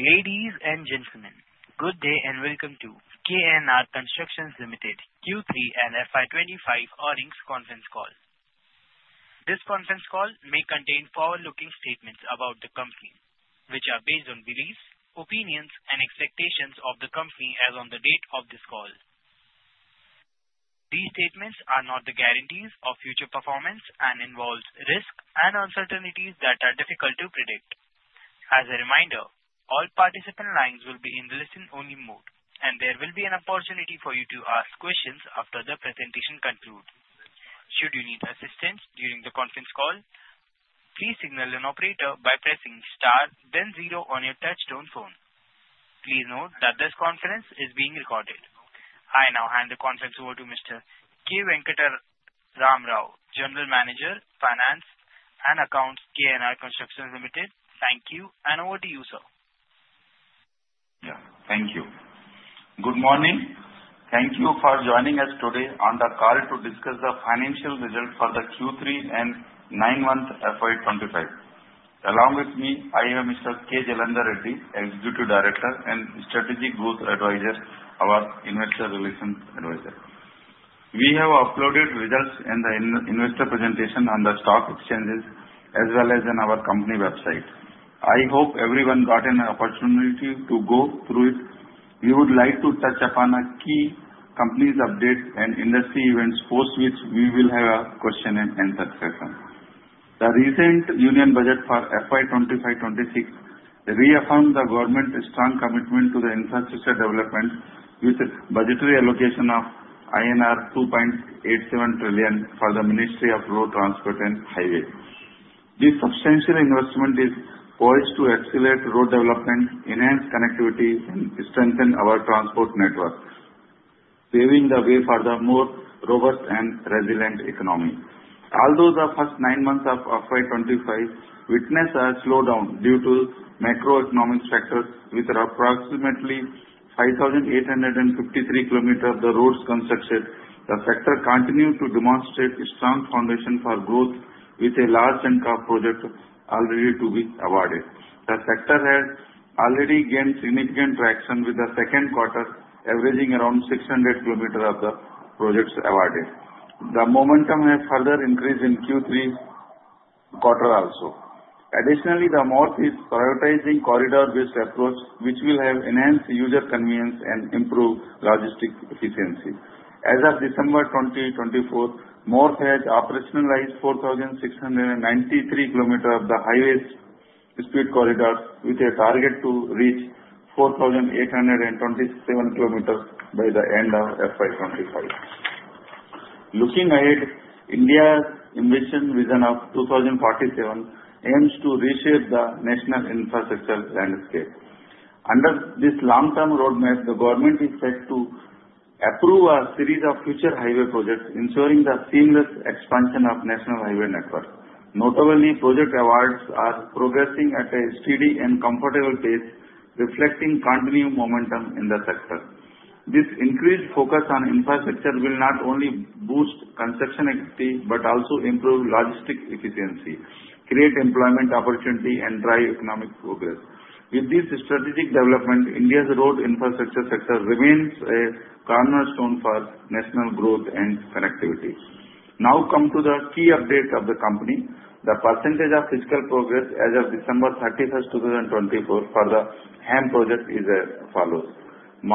Ladies and gentlemen, good day and welcome to KNR Constructions Limited Q3 and FY 2025 Earnings Conference Call. This conference call may contain forward-looking statements about the company, which are based on beliefs, opinions, and expectations of the company as of the date of this call. These statements are not the guarantees of future performance and involve risks and uncertainties that are difficult to predict. As a reminder, all participant lines will be in listen-only mode, and there will be an opportunity for you to ask questions after the presentation concludes. Should you need assistance during the conference call, please signal an operator by pressing star, then zero on your touch-tone phone. Please note that this conference is being recorded. I now hand the conference over to Mr. K. Venkata Ram Rao, General Manager, Finance and Accounts, KNR Constructions Limited. Thank you, and over to you, sir. Yeah, thank you. Good morning. Thank you for joining us today on the call to discuss the financial results for the Q3 and nine-month FY 2025. Along with me, I have Mr. K. Jalandhar Reddy, Executive Director and Strategic Growth Adviser, our Investor Relations Adviser. We have uploaded results and the investor presentation on the stock exchanges as well as on our company website. I hope everyone got an opportunity to go through it. We would like to touch upon the key company updates and industry events after which we will have a question-and-answer session. The recent Union Budget for FY 2025-2026 reaffirmed the government's strong commitment to the infrastructure development with budgetary allocation of INR 2.87 trillion for the Ministry of Road Transport and Highways. This substantial investment is poised to accelerate road development, enhance connectivity, and strengthen our transport network, paving the way for a more robust and resilient economy. Although the first nine months of FY 2025 witnessed a slowdown due to macroeconomic factors, with approximately 5,853 kilometers of the roads constructed, the sector continued to demonstrate a strong foundation for growth with a large chunk of projects already to be awarded. The sector has already gained significant traction with the second quarter averaging around 600 kilometers of the projects awarded. The momentum has further increased in Q3 quarter also. Additionally, the North is prioritizing corridor-based approach, which will enhance user convenience and improve logistic efficiency. As of December 2024, North has operationalized 4,693 kilometers of the highways' speed corridors with a target to reach 4,827 kilometers by the end of FY 2025. Looking ahead, India's ambition vision of 2047 aims to reshape the national infrastructure landscape. Under this long-term roadmap, the government is set to approve a series of future highway projects, ensuring the seamless expansion of the national highway network. Notably, project awards are progressing at a steady and comfortable pace, reflecting continued momentum in the sector. This increased focus on infrastructure will not only boost construction activity but also improve logistic efficiency, create employment opportunity, and drive economic progress. With this strategic development, India's road infrastructure sector remains a cornerstone for national growth and connectivity. Now, come to the key update of the company. The percentage of physical progress as of December 31, 2024, for the HAM project is as follows: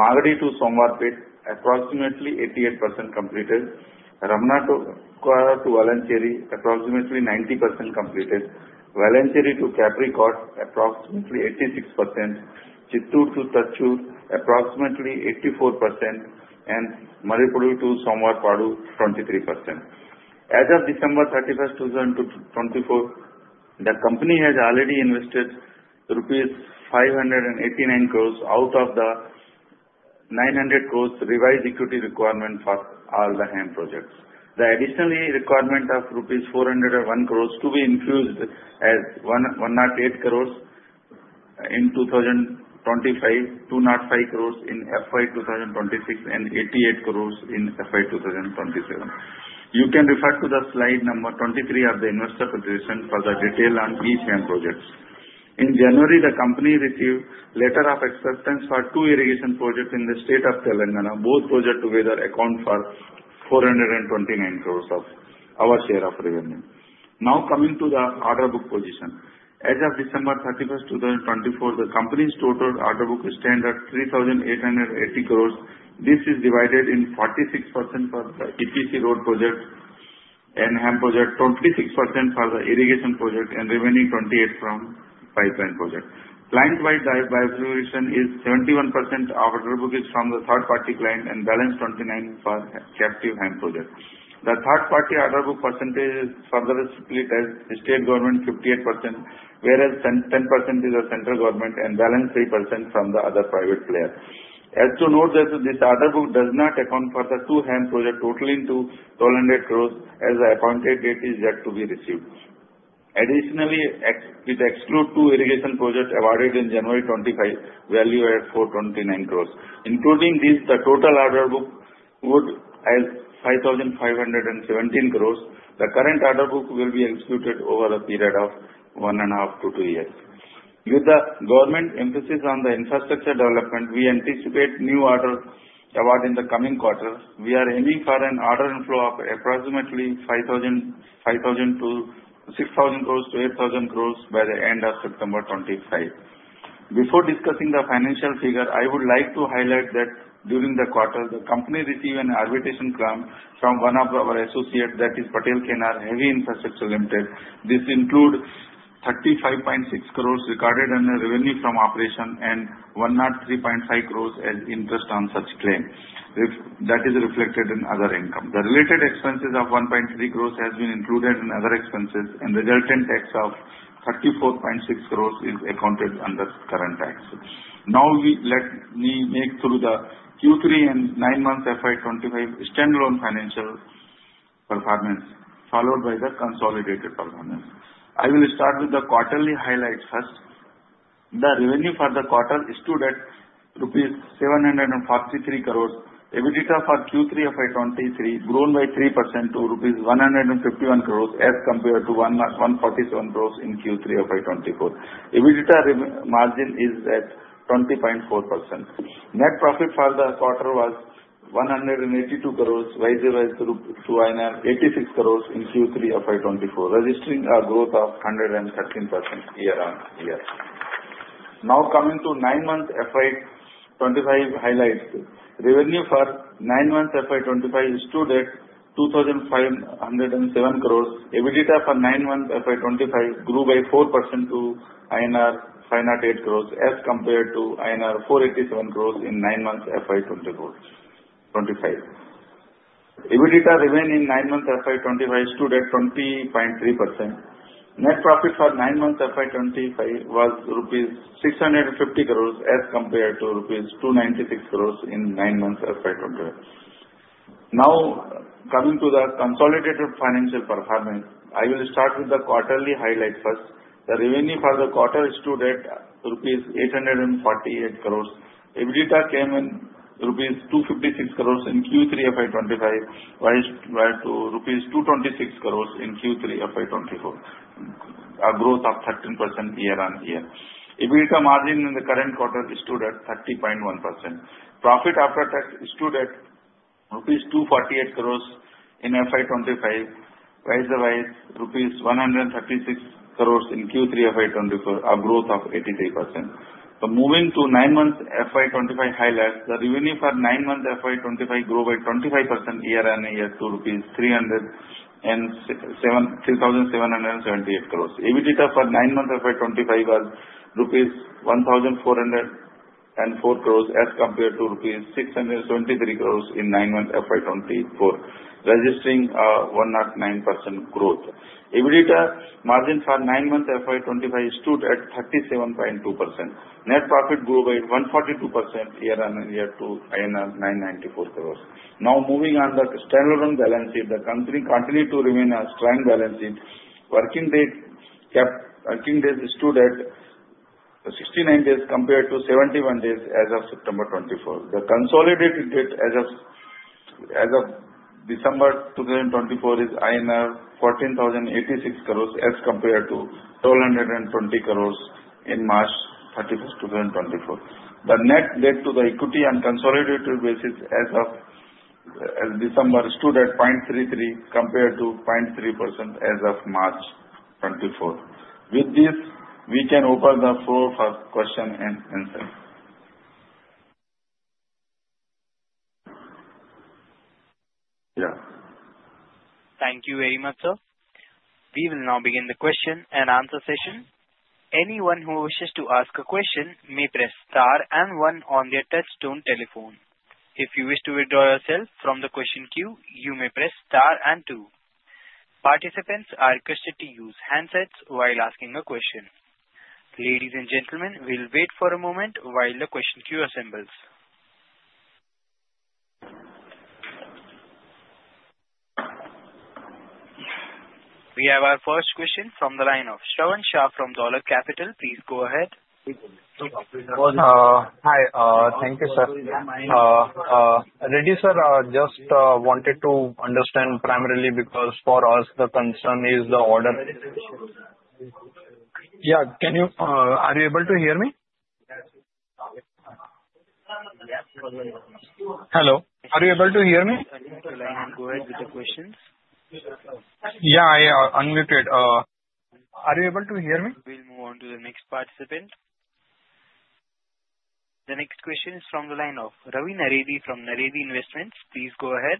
Magadi to Somwarpet, approximately 88% completed; Ramanattukara to Valanchery, approximately 90% completed; Valanchery to Kappirikkad, approximately 86%; Chittoor to Thatchur, approximately 84%; and Marripudi to Somavarappadu, 23%. As of December 31, 2024, the company has already invested rupees 589 crores out of the 900 crores revised equity requirement for all the HAM projects. The additional requirement of rupees 401 crores to be infused as 108 crores in 2025, 205 crores in FY 2026, and 88 crores in FY 2027. You can refer to the slide number 23 of the investor presentation for the detail on each HAM projects. In January, the company received a letter of acceptance for two irrigation projects in the state of Telangana. Both projects together account for 429 crores of our share of revenue. Now, coming to the order book position. As of December 31, 2024, the company's total order book stands at 3,880 crores. This is divided in 46% for the EPC road project and HAM project, 26% for the irrigation project, and remaining 28% from pipeline project. Company-wide valuation is 71% of order book is from the third-party client and balance 29% for captive HAM project. The third-party order book percentage is further split as state government 58%, whereas 10% is the central government, and balance 3% from the other private player. It is to be noted that this order book does not account for the two HAM projects totaling to 1,200 crores as the appointed date is yet to be received. Additionally, with the excluded two irrigation projects awarded in January 2025, value at 429 crores. Including these, the total order book would be 5,517 crores. The current order book will be executed over a period of one and a half to two years. With the government emphasis on the infrastructure development, we anticipate new orders awarded in the coming quarter. We are aiming for an order flow of approximately 5,000 to 6,000 crores to 8,000 crores by the end of September 2025. Before discussing the financial figure, I would like to highlight that during the quarter, the company received an arbitration claim from one of our associates, that is Patel KNR Heavy Infrastructures Limited. This includes 35.6 crores recorded under revenue from operation and 103.5 crores as interest on such claim, that is reflected in other income. The related expenses of 1.3 crores have been included in other expenses, and resultant tax of 34.6 crores is accounted under current tax. Now, let me take you through the Q3 and nine-month FY 2025 standalone financial performance, followed by the consolidated performance. I will start with the quarterly highlights first. The revenue for the quarter stood at rupees 743 crores. EBITDA for Q3 FY 2023 grown by 3% to rupees 151 crores as compared to 147 crores in Q3 FY 2024. EBITDA margin is at 20.4%. Net profit for the quarter was 182 crores, while it was to 86 crores in Q3 FY 2024, registering a growth of 113% year-on-year. Now, coming to nine-month FY 2025 highlights. Revenue for nine-month FY 2025 is stood at 2,507 crores. EBITDA for nine-month FY 2025 grew by 4% to INR 508 crores as compared to INR 487 crores in nine-month FY 2025. EBITDA margin in nine-month FY 2025 stood at 20.3%. Net profit for nine-month FY 2025 was rupees 650 crores as compared to rupees 296 crores in nine-month FY 2025. Now, coming to the consolidated financial performance, I will start with the quarterly highlight first. The revenue for the quarter is stood at rupees 848 crores. EBITDA came in rupees 256 crores in Q3 FY 2025, while it was rupees 226 crores in Q3 FY 2024, a growth of 13% year-on-year. EBITDA margin in the current quarter stood at 30.1%. Profit after tax stood at INR 248 crores in FY 2025, while it was rupees 136 crores in Q3 FY 2024, a growth of 83%. So moving to nine-month FY 2025 highlights, the revenue for nine-month FY 2025 grew by 25% year-on-year to rupees 3,778 crores. EBITDA for nine-month FY 2025 was rupees 1,404 crores as compared to rupees 673 crores in nine-month FY 2024, registering a 109% growth. EBITDA margin for nine-month FY 2025 stood at 37.2%. Net profit grew by 142% year-on-year to 994 crores. Now, moving on the standalone balance sheet, the company continued to remain a strong balance sheet. Working days stood at 69 days compared to 71 days as of September 24. The consolidated debt as of December 2024 is INR 14,086 crores as compared to 1,220 crores as of March 31, 2024. The net debt to the equity on consolidated basis as of December is stood at 0.33 compared to 0.3% as of March 2024. With this, we can open the floor for question and answer. Yeah. Thank you very much, sir. We will now begin the question and answer session. Anyone who wishes to ask a question may press star and one on their touch-tone telephone. If you wish to withdraw yourself from the question queue, you may press star and two. Participants are requested to use handsets while asking a question. Ladies and gentlemen, we'll wait for a moment while the question queue assembles. We have our first question from the line of Shravan Shah from Dolat Capital. Please go ahead. Hi. Thank you, sir. Really, sir, I just wanted to understand primarily because for us, the concern is the order. Yeah. Are you able to hear me? Hello. Are you able to hear me? Go ahead with the questions. Yeah, I am unmuted. Are you able to hear me? We'll move on to the next participant. The next question is from the line of Ravin Naredi from Naredi Investments. Please go ahead.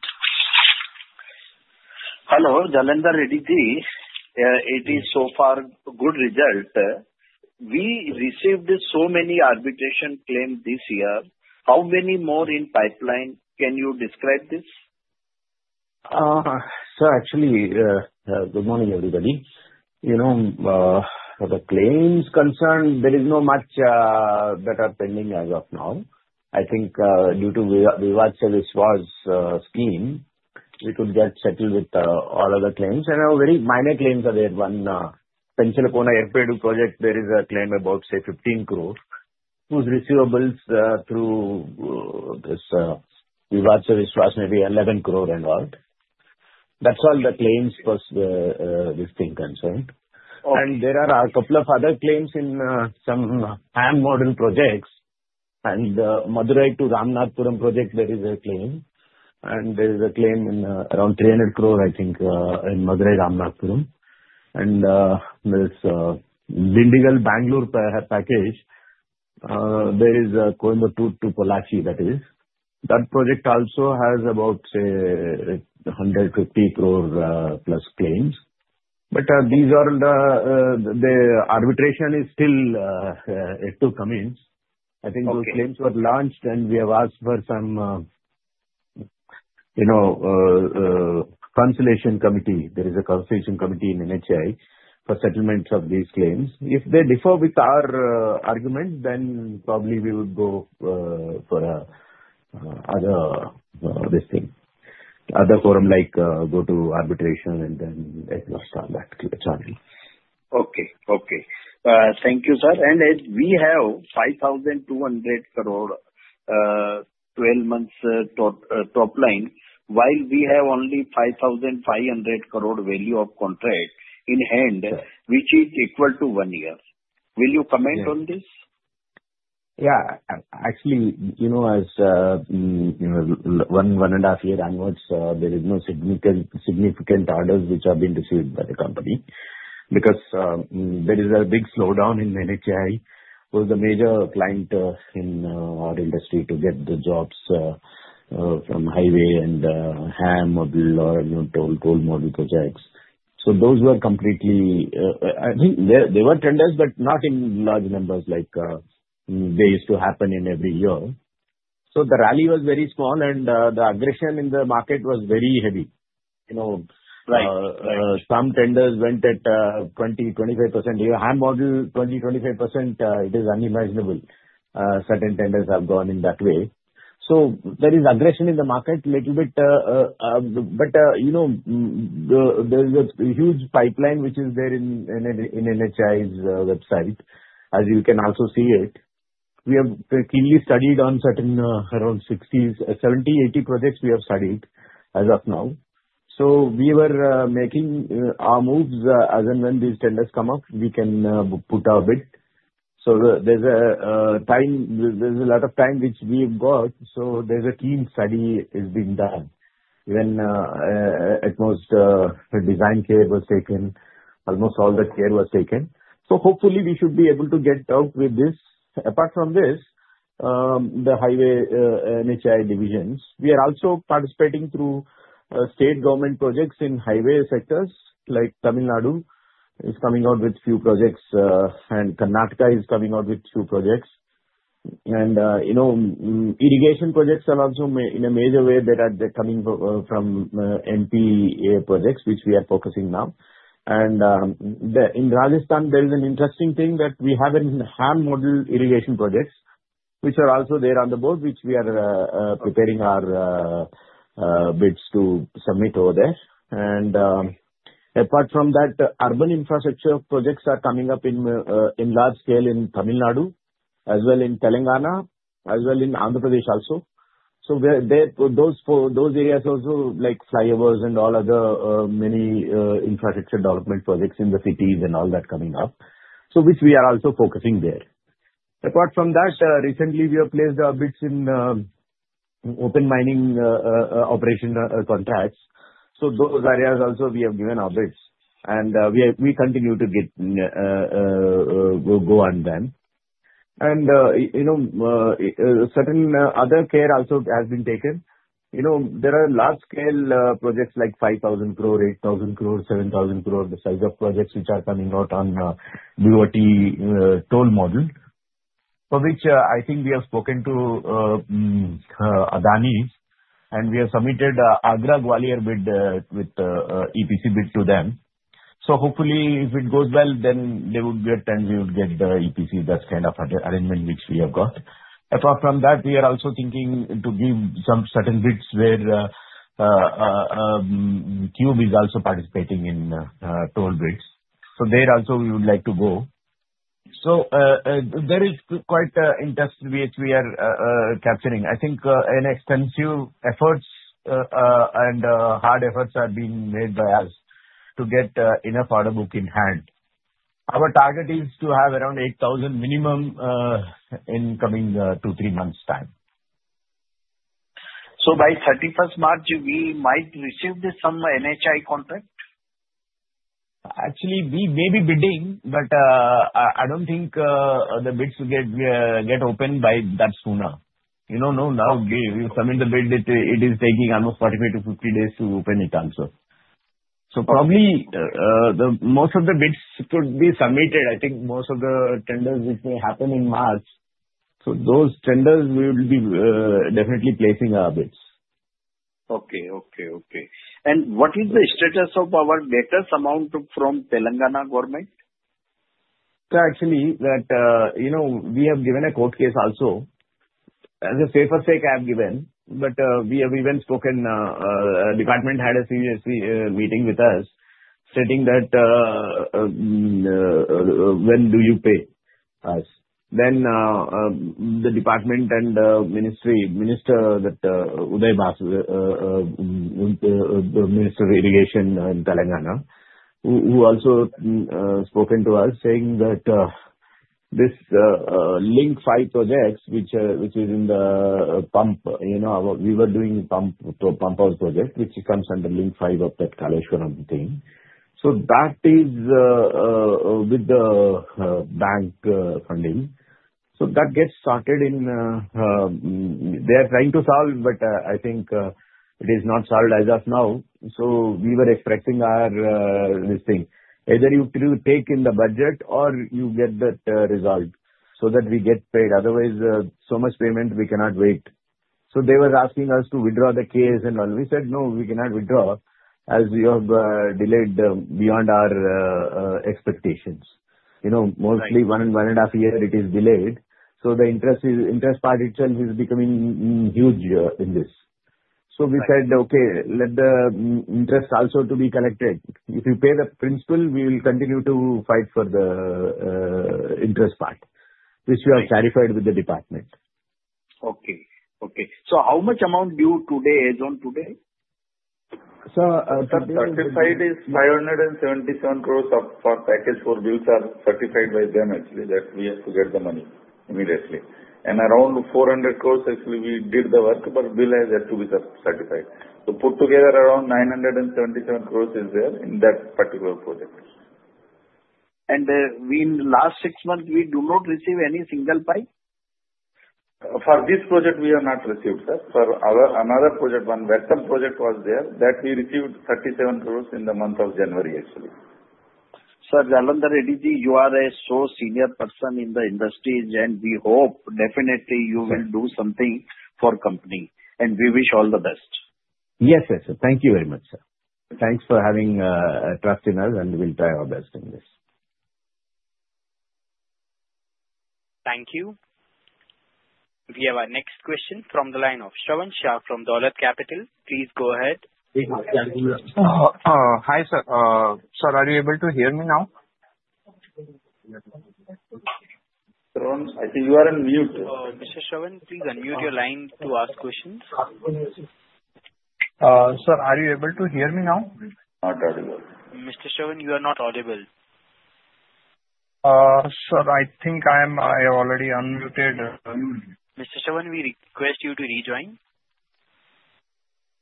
Hello, Jalandhar Reddy. It is so far a good result. We received so many arbitration claims this year. How many more in pipeline? Can you describe this? Sir, actually, good morning, everybody. The claims concern, there is not much that are pending as of now. I think due to Vivad se Vishwas scheme, we could get settled with all other claims. And there are very minor claims ahead. One Penchalakona-Yerpedu project, there is a claim about, say, 15 crore, whose receivables through this Vivad se Vishwas may be 11 crore and all. That's all the claims for this thing concerned. And there are a couple of other claims in some HAM model projects. And the Madurai to Ramanathapuram project, there is a claim. And there is a claim in around 300 crore, I think, in Madurai-Ramanathapuram. And this Dindigul-Bangalore package, there is Coimbatore to Pollachi, that is. That project also has about, say, 150 crore plus claims. But these are the arbitration is still yet to commence. I think those claims were launched, and we have asked for some conciliation committee. There is a conciliation committee in NHAI for settlement of these claims. If they differ with our argument, then probably we would go for another forum like go to arbitration, and then it will start that channel. Okay. Thank you, sir, and we have 5,200 crore 12 months top line, while we have only 5,500 crore value of contract in hand, which is equal to one year. Will you comment on this? Yeah. Actually, as one and a half year onwards, there is no significant orders which have been received by the company because there is a big slowdown in NHAI, who is the major client in our industry to get the jobs from highway and HAM or toll model projects. So those were completely. I think there were tenders, but not in large numbers like they used to happen in every year. So the rally was very small, and the aggression in the market was very heavy. Some tenders went at 20%-25%. HAM model 20%-25%, it is unimaginable. Certain tenders have gone in that way. So there is aggression in the market a little bit. But there is a huge pipeline which is there in NHAI's website, as you can also see it. We have keenly studied certain around 70-80 projects we have studied as of now, so we were making our moves as and when these tenders come up, we can put our bid. There's a lot of time which we've got, so there's a keen study being done when at most design care was taken, almost all the care was taken. Hopefully, we should be able to get out with this. Apart from this, the highway NHAI divisions, we are also participating through state government projects in highway sectors like Tamil Nadu is coming out with few projects, and Karnataka is coming out with few projects, and irrigation projects are also in a major way that are coming from AP projects, which we are focusing now. And in Rajasthan, there is an interesting thing that we have in HAM model irrigation projects, which are also there on the board, which we are preparing our bids to submit over there. And apart from that, urban infrastructure projects are coming up in large scale in Tamil Nadu, as well in Telangana, as well in Andhra Pradesh also. So those areas also like flyovers and all other many infrastructure development projects in the cities and all that coming up, which we are also focusing there. Apart from that, recently, we have placed our bids in open mining operation contracts. So those areas also we have given our bids. And we continue to go on them. And certain other care also has been taken. There are large-scale projects like 5,000 crore, 8,000 crore, 7,000 crore, the size of projects which are coming out on BOT toll model, for which I think we have spoken to Adani, and we have submitted Agra-Gwalior bid with EPC bid to them, so hopefully, if it goes well, then they would get tenders, we would get the EPC. That's kind of an arrangement which we have got. Apart from that, we are also thinking to give some certain bids where Cube is also participating in toll bids, so there also, we would like to go, so there is quite an interest which we are capturing. I think extensive efforts and hard efforts are being made by us to get enough order book in hand. Our target is to have around 8,000 minimum in coming two, three months' time. By 31st March, we might receive some NHAI contract? Actually, we may be bidding, but I don't think the bids will get opened by that sooner. Now, we submit the bid. It is taking almost 45-50 days to open it also. So probably most of the bids could be submitted. I think most of the tenders which may happen in March. So those tenders, we will be definitely placing our bids. And what is the status of our net assumption from Telangana government? Actually, we have given a court case also. As a safe mistake, I have given. But we have even spoken. The department had a serious meeting with us, stating that, "When do you pay us?" Then the department and ministry, Minister Uttam Kumar Reddy, the Minister of Irrigation in Telangana, who also spoke to us, saying that this Link 5 project, which is in the pump, we were doing pump to a pump house project, which comes under Link 5 of that Kaleshwaram thing. So that is with the bank funding. So that gets started and they are trying to solve, but I think it is not solved as of now. So we were expecting our this thing. Either you take in the budget or you get that result so that we get paid. Otherwise, so much payment, we cannot wait. They were asking us to withdraw the case and all. We said, "No, we cannot withdraw as you have delayed beyond our expectations." Mostly one and a half years, it is delayed. So the interest part itself is becoming huge in this. So we said, "Okay, let the interest also be collected. If you pay the principal, we will continue to fight for the interest part, which we have clarified with the department. Okay. So how much amount due today is on today? Certified is 577 crores for package for bills are certified by them, actually, that we have to get the money immediately. Around 400 crores, actually, we did the work, but bill has yet to be certified. Put together around 977 crores is there in that particular project. In the last six months, we do not receive any single pipe? For this project, we have not received, sir. For another project, one Vattem project was there that we received 37 crores in the month of January, actually. Sir, Jalandhar Reddy, you are such a senior person in the industry, and we hope definitely you will do something for the company, and we wish all the best. Yes, yes, sir. Thank you very much, sir. Thanks for having trust in us, and we will try our best in this. Thank you. We have our next question from the line of Shravan Shah from Dolat Capital. Please go ahead. Hi, sir. Sir, are you able to hear me now? I think you are on mute. Mr. Shravan Shah, please unmute your line to ask questions. Sir, are you able to hear me now? Not audible. Mr. Shravan, you are not audible. Sir, I think I am already unmuted. Mr. Shravan, we request you to rejoin.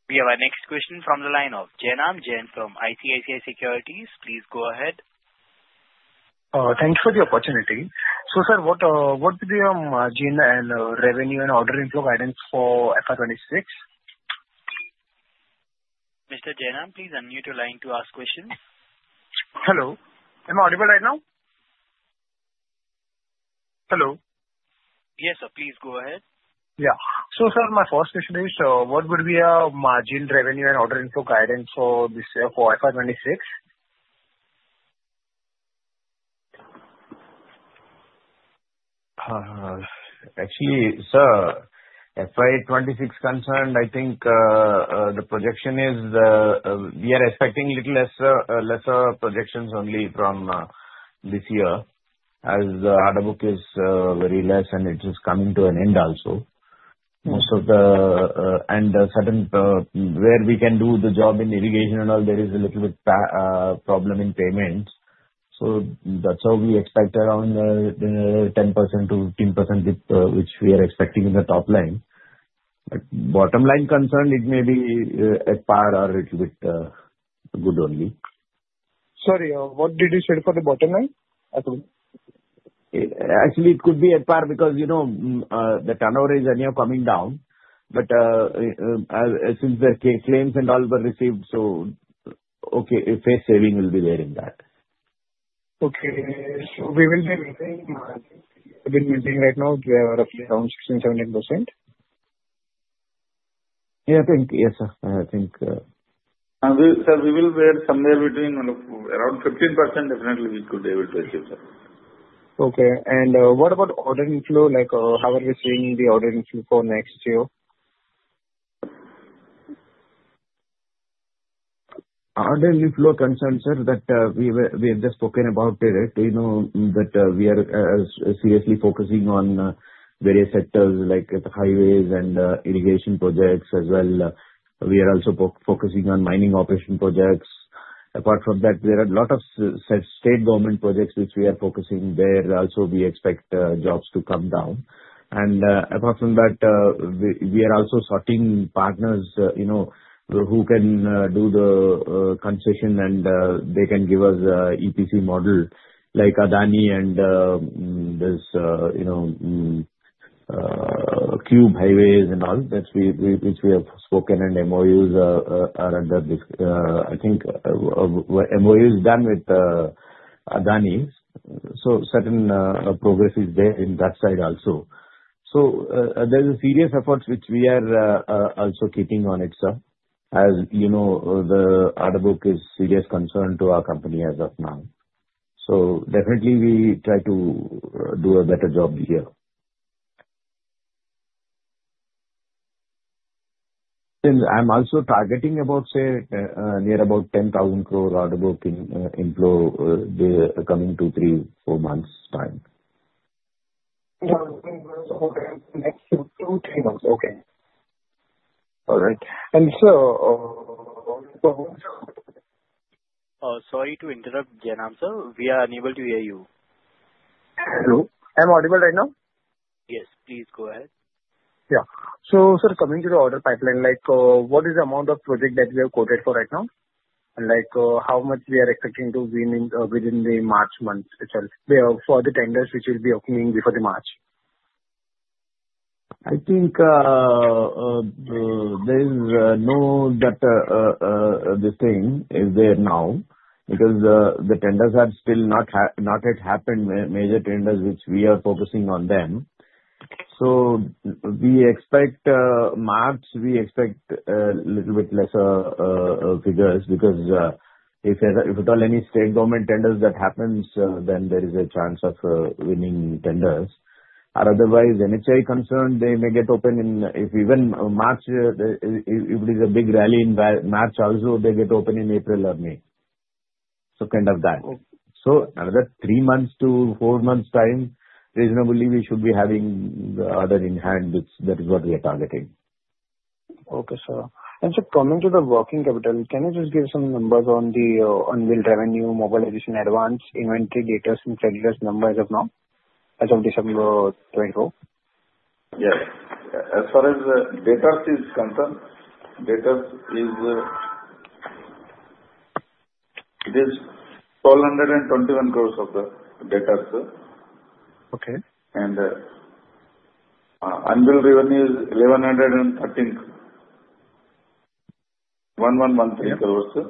We have our next question from the line of Jainam Jain from ICICI Securities. Please go ahead. Thank you for the opportunity. So, sir, what are the margin and revenue and order inflow guidance for FY 2026? Mr. Jainam, please unmute your line to ask questions. Hello. Am I audible right now? Hello. Yes, sir. Please go ahead. Yeah. So, sir, my first question is, what would be a margin revenue and order inflow guidance for FY 2026? Actually, sir, FR26 concerned, I think the projection is we are expecting little lesser projections only from this year as the order book is very less, and it is coming to an end also. And certain where we can do the job in irrigation and all, there is a little bit problem in payments. So that's how we expect around 10%-15%, which we are expecting in the top line. But bottom line concerned, it may be at par or a little bit good only. Sorry, what did you say for the bottom line? Actually, it could be at par because the turnover is anyhow coming down. But since the claims and all were received, so okay, a face saving will be there in that. Okay. So we will be waiting. I've been meeting right now. We are roughly around 16%-17%. Yeah, I think. Yes, sir. I think. Sir, we will be somewhere between around 15%. Definitely we could be able to achieve, sir. Okay. And what about order inflow? How are we seeing the order inflow for next year? Order inflow concerns, sir, that we have just spoken about it. That we are seriously focusing on various sectors like the highways and irrigation projects as well. We are also focusing on mining operation projects. Apart from that, there are a lot of state government projects which we are focusing there. Also, we expect jobs to come down. And apart from that, we are also sorting partners who can do the concession, and they can give us EPC model like Adani and this Cube Highways and all, which we have spoken and MOUs are under. I think MOUs done with Adani. So certain progress is there in that side also. So there are serious efforts which we are also keeping on it, sir, as the order book is a serious concern to our company as of now. So definitely, we try to do a better job here. I'm also targeting about, say, near about 10,000 crore order book inflow coming two, three, four months' time. Okay. All right. And so. Sorry to interrupt, Jainam sir. We are unable to hear you. Hello? I'm audible right now? Yes. Please go ahead. Yeah. So sir, coming to the order pipeline, what is the amount of project that we have quoted for right now? And how much we are expecting to win within the March month itself for the tenders which will be opening before the March? I think there is no doubt that this thing is there now because the tenders have still not yet happened, major tenders, which we are focusing on them. So we expect March, we expect a little bit lesser figures because if at all any state government tenders that happens, then there is a chance of winning tenders. Otherwise, NHAI concerned, they may get open in if even March, if there is a big rally in March also, they get open in April or May. So kind of that. So another three months to four months' time, reasonably, we should be having the order in hand. That is what we are targeting. Okay, sir. And sir, coming to the working capital, can you just give some numbers on the unbilled revenue, mobilization advance, inventory data and creditor's number as of now, as of December 24? Yes. As far as the debt is concerned, debt is 1,221 crores of the debt. And unbilled revenue is INR 1,113 crores.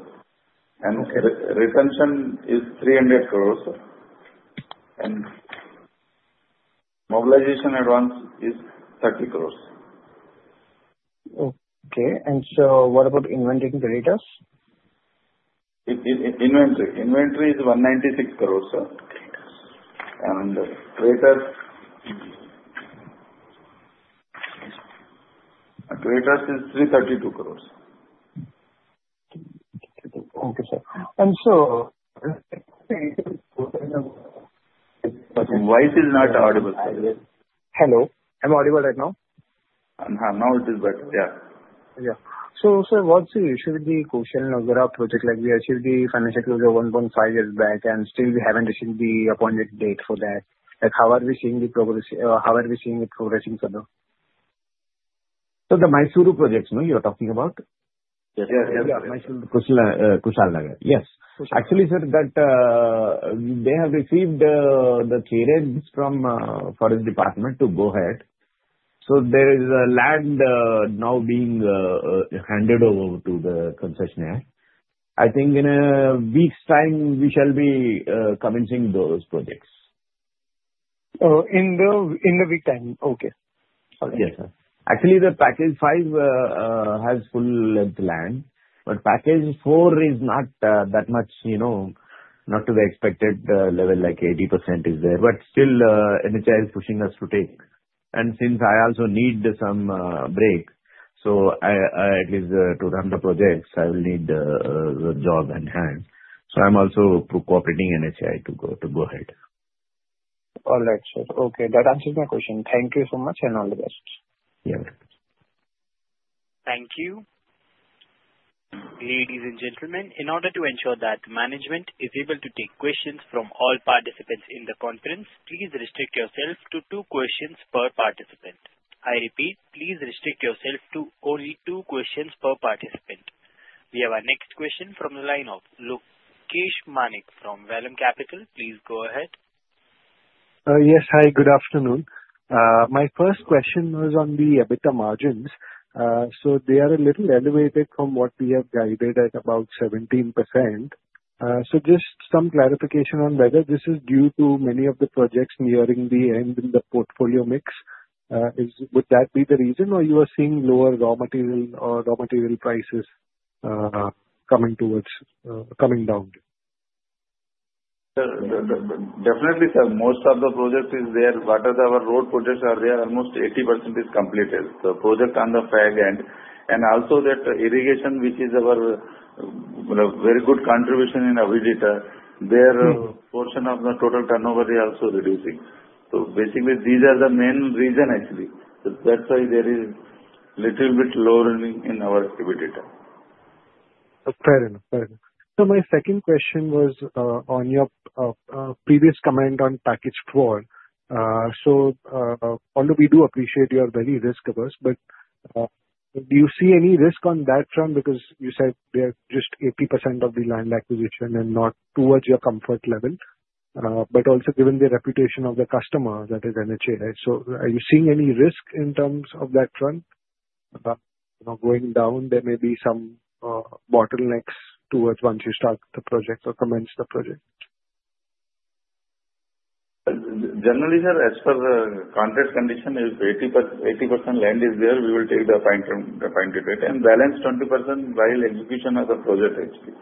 And retention is 300 crores. And mobilization advance is 30 crores. Okay. And sir, what about inventory and creditors? Inventory is INR 196 crores, and creditors' is INR 332 crores. Okay, sir. And sir. Voice is not audible, sir. Hello? I'm audible right now? Now it is better. Yeah. So sir, what's the issue with the Kushalnagar project? We achieved the financial close of 1.5 years back, and still we haven't achieved the appointed date for that. How are we seeing the progress? How are we seeing it progressing further? So the Mysuru projects, you are talking about? Yes. Yeah. Yeah. Kushalnagar. Yes. Actually, sir, that they have received the clearances from the Forest Department to go ahead. So there is a land now being handed over to the concessionaire. I think in a week's time, we shall be commencing those projects. In the week time. Okay. Yes, sir. Actually, the package five has full-length land, but package four is not that much, not to the expected level like 80% is there. But still, NHAI is pushing us to take. And since I also need some break, so at least to run the projects, I will need the job in hand. So I'm also cooperating NHAI to go ahead. All right, sir. Okay. That answers my question. Thank you so much and all the best. Thank you. Ladies and gentlemen, in order to ensure that management is able to take questions from all participants in the conference, please restrict yourself to two questions per participant. I repeat, please restrict yourself to only two questions per participant. We have our next question from the line of Lokesh Manik from Vallum Capital. Please go ahead. Yes. Hi, good afternoon. My first question was on the EBITDA margins. So they are a little elevated from what we have guided at about 17%. So just some clarification on whether this is due to many of the projects nearing the end in the portfolio mix. Would that be the reason, or you are seeing lower raw material prices coming down? Definitely, sir. Most of the projects is there. But as our road projects are there, almost 80% is completed. The project on the fag end. And also that irrigation, which is our very good contribution in EBITDA, their portion of the total turnover is also reducing. So basically, these are the main reason, actually. That's why there is a little bit lower in our EBITDA. Fair enough. Fair enough. So my second question was on your previous comment on package four. So although we do appreciate your very risk averse, but do you see any risk on that front because you said they are just 80% of the land acquisition and not towards your comfort level? But also given the reputation of the customer, that is NHAI, right? So are you seeing any risk in terms of that front? Going down, there may be some bottlenecks towards once you start the project or commence the project. Generally, sir, as per the contract condition, if 80% land is there, we will take the Appointed Date and balance 20% while execution of the project, actually.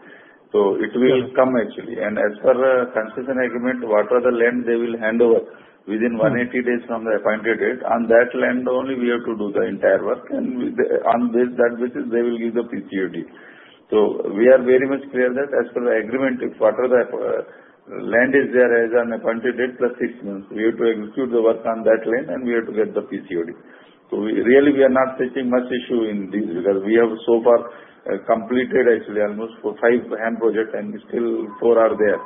So it will come, actually. And as per concession agreement, whatever land they will hand over within 180 days from the Appointed Date, on that land only, we have to do the entire work. And on that basis, they will give the PCOD. So we are very much clear that as per the agreement, if whatever land is there as an Appointed Date plus six months, we have to execute the work on that land, and we have to get the PCOD. So really, we are not facing much issue in these because we have so far completed, actually, almost five HAM projects, and still four are there.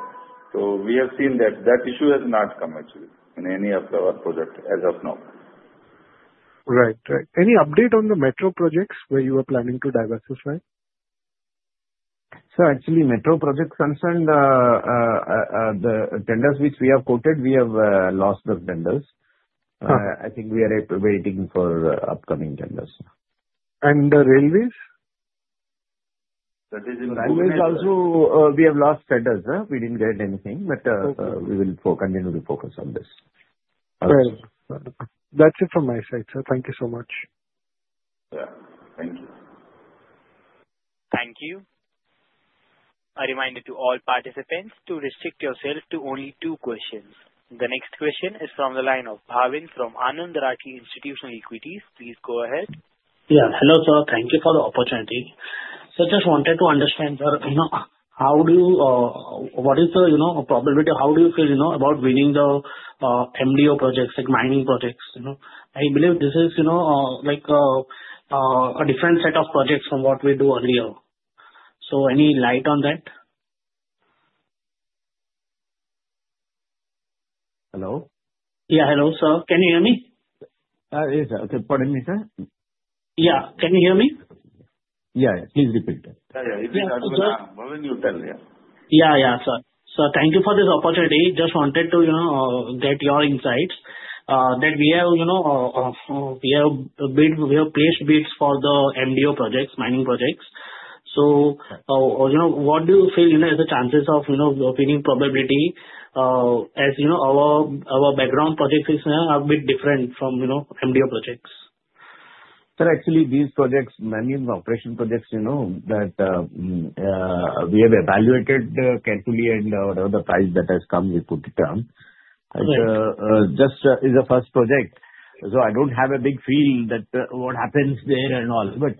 So we have seen that. That issue has not come, actually, in any of our projects as of now. Right. Right. Any update on the metro projects where you are planning to diversify? Sir, actually, metro projects concern the tenders which we have quoted. We have lost the tenders. I think we are waiting for upcoming tenders. The railways? That is in the railways also, we have lost tenders. We didn't get anything, but we will continue to focus on this. That's it from my side, sir. Thank you so much. Yeah. Thank you. Thank you. A reminder to all participants to restrict yourself to only two questions. The next question is from the line of Bhavin from Anand Rathi Institutional Equities. Please go ahead. Yeah. Hello, sir. Thank you for the opportunity. So I just wanted to understand, sir, what is the probability of how do you feel about winning the MDO projects, like mining projects? I believe this is a different set of projects from what we do earlier. So any light on that? Hello? Yeah. Hello, sir. Can you hear me? Yes. Okay. Pardon me, sir. Yeah. Can you hear me? Yeah. Please repeat. Bhavin, you tell. Yeah. Yeah. Yeah, sir. Sir, thank you for this opportunity. Just wanted to get your insights that we have placed bids for the MDO projects, mining projects. So what do you feel is the chances of winning probability as our background projects are a bit different from MDO projects? Sir, actually, these projects, many of the operation projects that we have evaluated carefully and whatever the price that has come, we put it down. Just, it's a first project. So I don't have a big feel that what happens there and all. But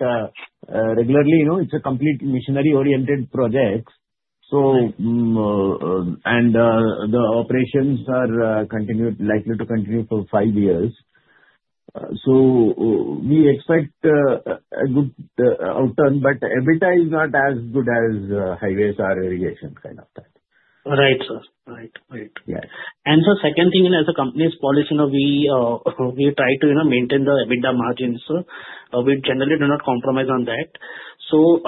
regularly, it's a complete missionary-oriented project. And the operations are likely to continue for five years. So we expect a good outcome, but EBITDA is not as good as highways or irrigation kind of that. Right, sir. Right. Right. And sir, second thing, as a company's policy, we try to maintain the EBITDA margins. We generally do not compromise on that. So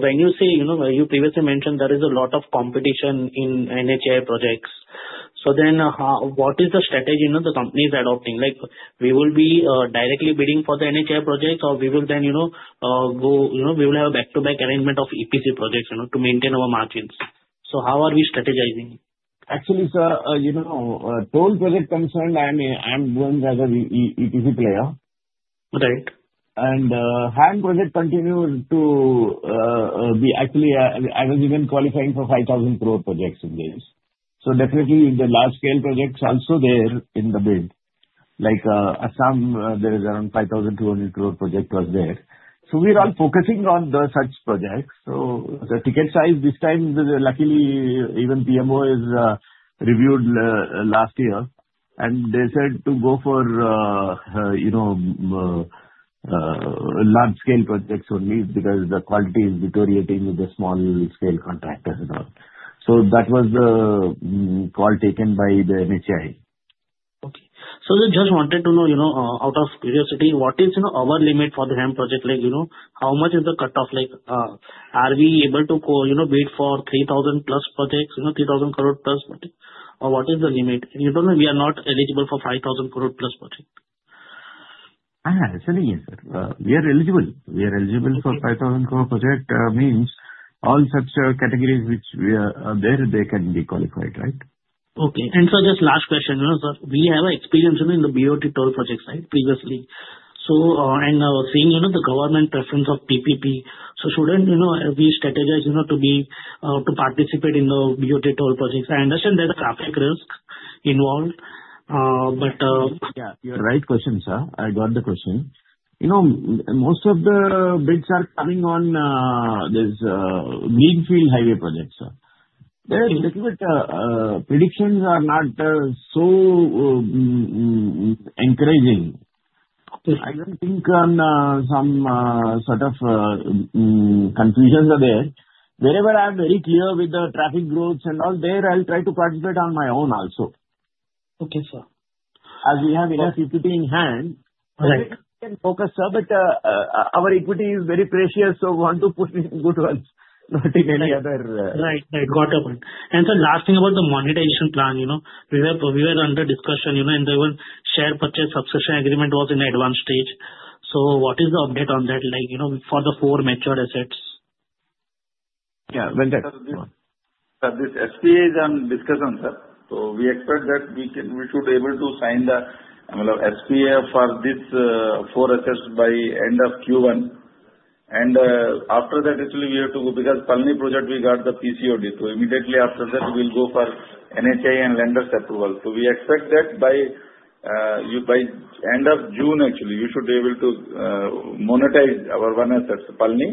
when you say you previously mentioned there is a lot of competition in NHAI projects, so then what is the strategy the company is adopting? We will be directly bidding for the NHAI projects, or we will then go, we will have a back-to-back arrangement of EPC projects to maintain our margins. So how are we strategizing? Actually, sir, toll project concerned, I'm going as an EPC player. Right. HAM projects continue to be actually. I was even qualifying for 5,000 crore projects in these. So definitely, the large-scale projects also there in the bid. Like Assam, there is around 5,200 crore project was there. So we are all focusing on such projects. So the ticket size this time, luckily, even PMO is reviewed last year. And they said to go for large-scale projects only because the quality is deteriorating with the small-scale contractors and all. So that was the call taken by the NHAI. Okay. So just wanted to know, out of curiosity, what is our limit for the HAM project? How much is the cut-off? Are we able to bid for 3,000 plus projects, 3,000 crore plus projects? Or what is the limit? We are not eligible for 5,000 crore plus project. Actually, yes, sir. We are eligible. We are eligible for 5,000 crore project means all such categories which are there, they can be qualified, right? Okay. And sir, just last question, sir. We have experience in the BOT toll project side previously. And seeing the government preference of PPP, so shouldn't we strategize to participate in the BOT toll projects? I understand there's a traffic risk involved, but. Yeah. Right question, sir. I got the question. Most of the bids are coming on these greenfield highway projects, sir. The predictions are not so encouraging. I don't think some sort of confusions are there. Wherever I'm very clear with the traffic growth and all, there I'll try to participate on my own also. Okay, sir. As we have enough equity in hand, we can focus, sir, but our equity is very precious, so we want to put in good ones, not in any other. Right. Right. Got it. And sir, last thing about the monetization plan. We were under discussion, and even share purchase subscription agreement was in the advanced stage. So what is the update on that for the four matured assets? Yeah. Sir, this SPA is on discussion, sir. So we expect that we should be able to sign the SPA for these four assets by end of Q1. And after that, actually, we have to go because Palani project, we got the PCOD. So immediately after that, we'll go for NHAI and lenders approval. So we expect that by end of June, actually, we should be able to monetize our one asset, Palani.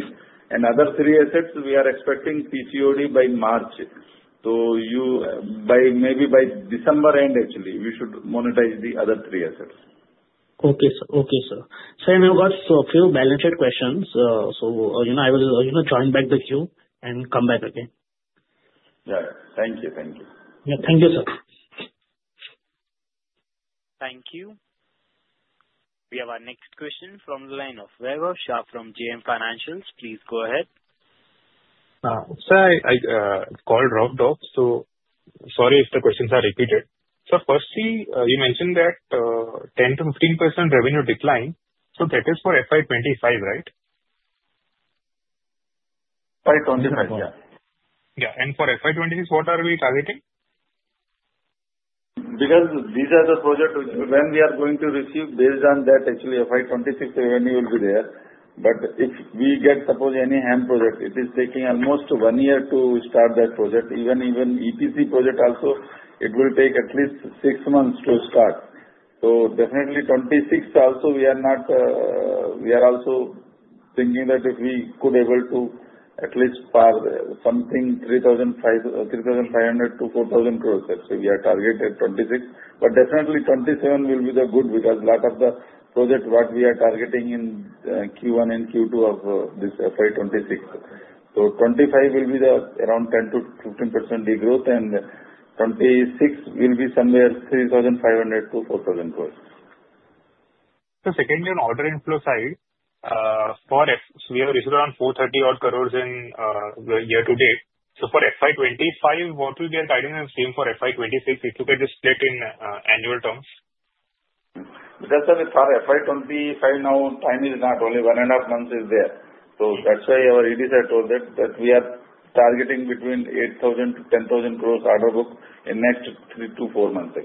And other three assets, we are expecting PCOD by March. So maybe by December end, actually, we should monetize the other three assets. Okay. Okay, sir. Sir, I've got a few balanced questions. So I will join back the queue and come back again. Yeah. Thank you. Thank you. Yeah. Thank you, sir. Thank you. We have our next question from the line of Vaibhav Shah from JM Financial. Please go ahead. Sir, I called late. So sorry if the questions are repeated. So firstly, you mentioned that 10%-15% revenue decline. So that is for FY 2025, right? FY 2025, yeah. Yeah, and for FY 2026, what are we targeting? Because these are the projects when we are going to receive based on that. Actually, FY 2026 revenue will be there. But if we get, suppose, any HAM project, it is taking almost one year to start that project. Even EPC project also, it will take at least six months to start. So definitely, 26 also, we are also thinking that if we could be able to at least power something 3,500-4,000 crores. Actually, we are targeted 26. But definitely, 27 will be the good because a lot of the projects what we are targeting in Q1 and Q2 of this FY 2026. So 25 will be around 10%-15% degrowth, and 26 will be somewhere 3,500-4,000 crores. So, secondly, on order inflow side, we have received around 430-odd crores in year to date. So for FY 2025, what will be our guidance and stream for FY 2026 if you can just split in annual terms? That's why we thought FY 2025 now time is not only one and a half months is there. So that's why our ED said that we are targeting between 8,000-10,000 crores order book in next three to four months.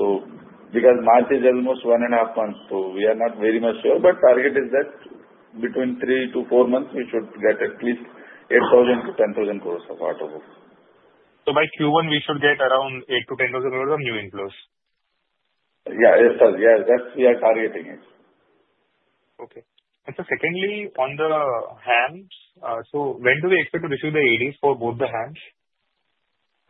So because March is almost one and a half months, so we are not very much sure. But target is that between three to four months, we should get at least 8,000-10,000 crores of order book. So by Q1, we should get around 8,000-10,000 crores of new inflows? Yeah. Yes, sir. Yeah. That's we are targeting it. Okay. And sir, secondly, on the HAMs, so when do we expect to receive the ADs for both the HAMs?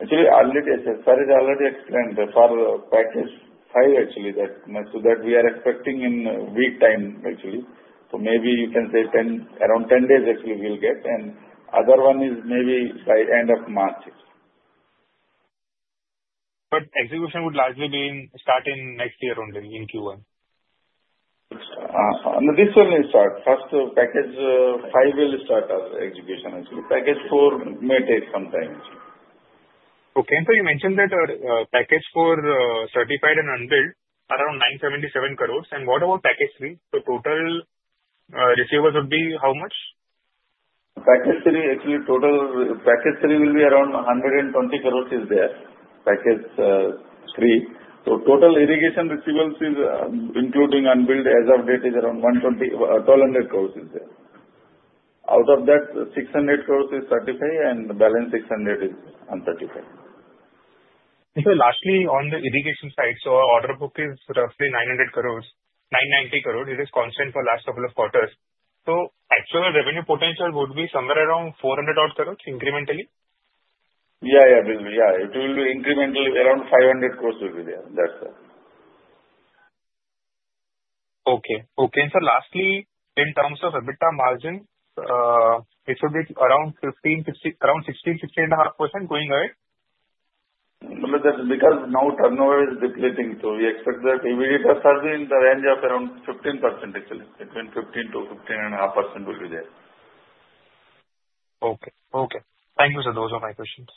Actually, sir, it's already explained for project five, actually, that we are expecting in a week's time, actually. So maybe you can say around 10 days, actually, we'll get. And the other one is maybe by the end of March. But execution would largely start in next year only in Q1? This will start. First, package five will start our execution, actually. Package four may take some time. Okay. And sir, you mentioned that package four certified and unbilled around 977 crores. And what about package three? So total receivables would be how much? Package three, actually, total package three will be around 120 crores is there. Package three. So total irrigation receivables, including unbilled as of date, is around 1,200 crores is there. Out of that, 600 crores is certified, and the balance 600 is uncertified. And sir, lastly, on the irrigation side, so our order book is roughly 990 crores. It is constant for the last couple of quarters. So actual revenue potential would be somewhere around 400-odd crores incrementally? It will be incrementally around 500 crores will be there. That's it. And sir, lastly, in terms of EBITDA margins, it should be around 15%-16%, 15.5% going ahead? But that's because now turnover is depleting. So we expect that EBITDA starts in the range of around 15%, actually. Between 15% to 15.5% will be there. Okay. Okay. Thank you, sir. Those are my questions.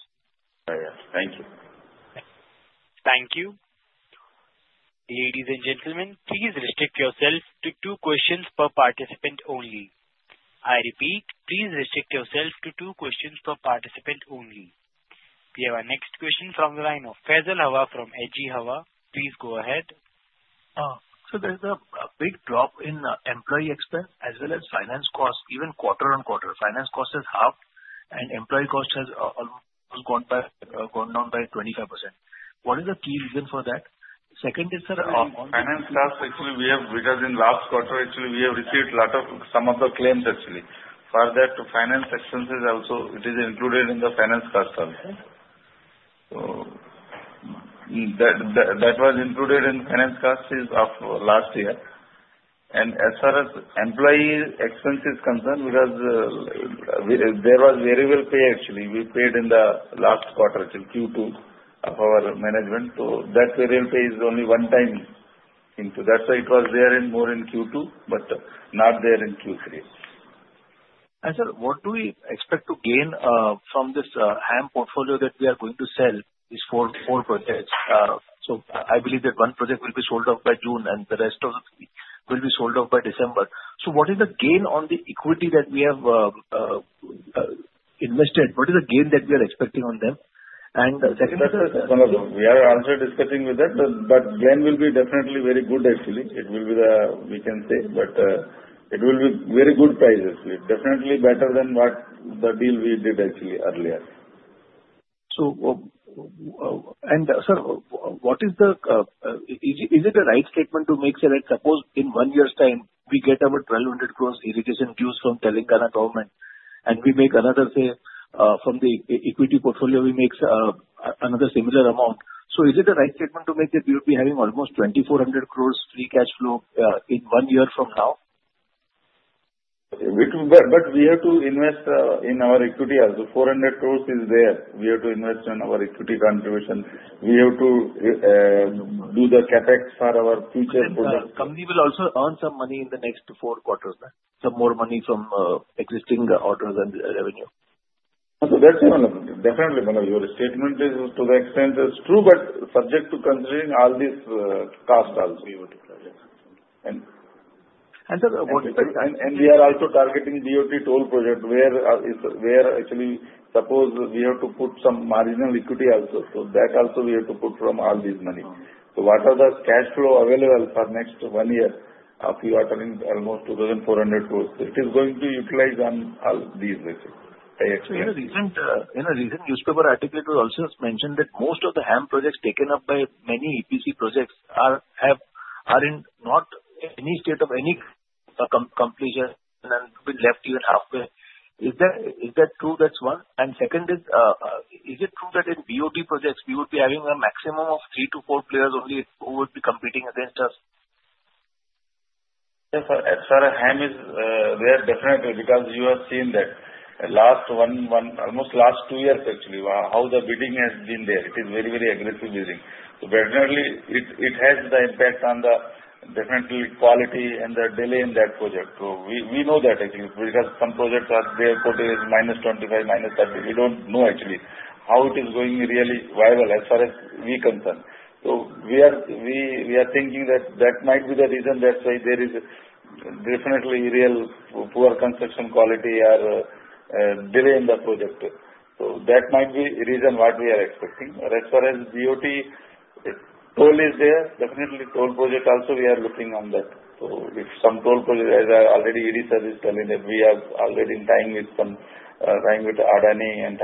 Yeah. Yeah. Thank you. Thank you. Ladies and gentlemen, please restrict yourself to two questions per participant only. I repeat, please restrict yourself to two questions per participant only. We have our next question from the line of Faisal Hawa from H.G. Hawa. Please go ahead. Sir, there's a big drop in employee expense as well as finance costs, even quarter on quarter. Finance costs have halved, and employee costs have gone down by 25%. What is the key reason for that? Second is, sir. Finance costs, actually, because in last quarter, actually, we have received a lot of some of the claims, actually. For that, finance expenses also, it is included in the finance cost. So that was included in finance costs of last year. And as far as employee expenses concerned, because there was variable pay, actually. We paid in the last quarter, Q2, of our management. So that variable pay is only one time into. That's why it was there more in Q2, but not there in Q3. And sir, what do we expect to gain from this in-hand portfolio that we are going to sell these four projects? So I believe that one project will be sold off by June, and the rest of the three will be sold off by December. So what is the gain on the equity that we have invested? What is the gain that we are expecting on them? And that's the question. We are also discussing with that, but gain will be definitely very good, actually. It will be the we can say, but it will be very good price, actually. Definitely better than what the deal we did, actually, earlier. And sir, what is it a right statement to make, say that suppose in one year's time, we get about 1,200 crores irrigation dues from Telangana government, and we make another, say, from the equity portfolio, we make another similar amount? So is it a right statement to make that we will be having almost 2,400 crores free cash flow in one year from now? But we have to invest in our equity also. 400 crores is there. We have to invest in our equity contribution. We have to do the CapEx for our future projects. Sir, company will also earn some money in the next four quarters, some more money from existing orders and revenue. So that's your definite. Your statement is to the extent true, but subject to considering all these costs also. Sir, what is the? And we are also targeting BOT toll project where actually, suppose we have to put some marginal equity also. So that also we have to put from all this money. So what are the cash flow available for next one year? We are turning almost 2,400 crores. It is going to utilize on all these, I expect. In a recent newspaper article, it was also mentioned that most of the HAM projects taken up by many EPC contractors are not in any state of any completion and will be left even halfway. Is that true? That's one, and second is, is it true that in BOT projects, we would be having a maximum of three to four players only who would be competing against us? Yes, sir. Sir, and is there definitely because you have seen that last almost two years, actually, how the bidding has been there. It is very, very aggressive bidding. So definitely, it has the impact on the definitely quality and the delay in that project. So we know that, actually, because some projects are there put in minus 25, minus 30. We don't know, actually, how it is going really viable as far as we concern. So we are thinking that that might be the reason that's why there is definitely really poor construction quality or delay in the project. So that might be the reason what we are expecting. As far as BOT toll is there, definitely toll project also we are looking on that. So, if some toll project, as I already said, we are already in talks with Adani and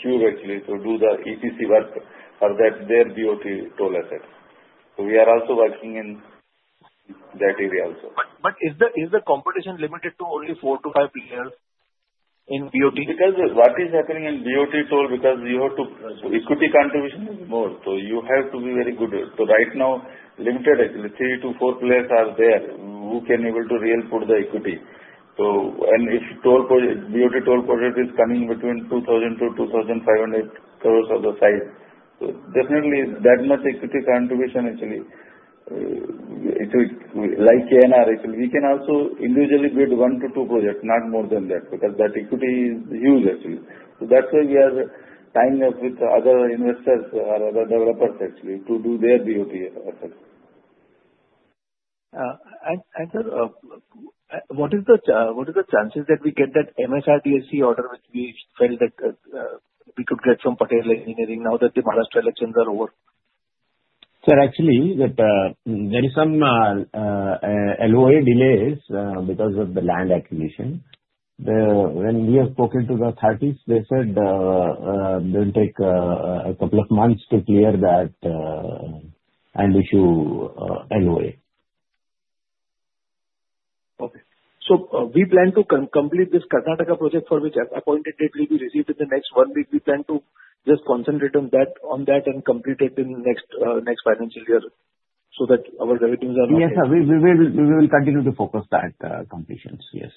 Cube, actually, to do the EPC work for their BOT toll assets. So, we are also working in that area also. But is the competition limited to only four to five players in BOT? Because what is happening in BOT toll, because you have to equity contribution is more. So you have to be very good. So right now, limited, actually, three to four players are there who can be able to really put the equity. And if BOT toll project is coming between 2,000-2,500 crores of the size, so definitely that much equity contribution, actually, like KNR, actually, we can also individually bid one to two projects, not more than that because that equity is huge, actually. So that's why we are tying up with other investors or other developers, actually, to do their BOT assets. Sir, what is the chances that we get that MSRDC order which we felt that we could get from Patel Engineering now that the Maharashtra elections are over? Sir, actually, there is some LOA delays because of the land acquisition. When we have spoken to the authorities, they said it will take a couple of months to clear that and issue LOA. Okay. So we plan to complete this Karnataka project for which appointed date will be received in the next one week. We plan to just concentrate on that and complete it in the next financial year so that our revenues are not. Yes, sir. We will continue to focus that completions. Yes.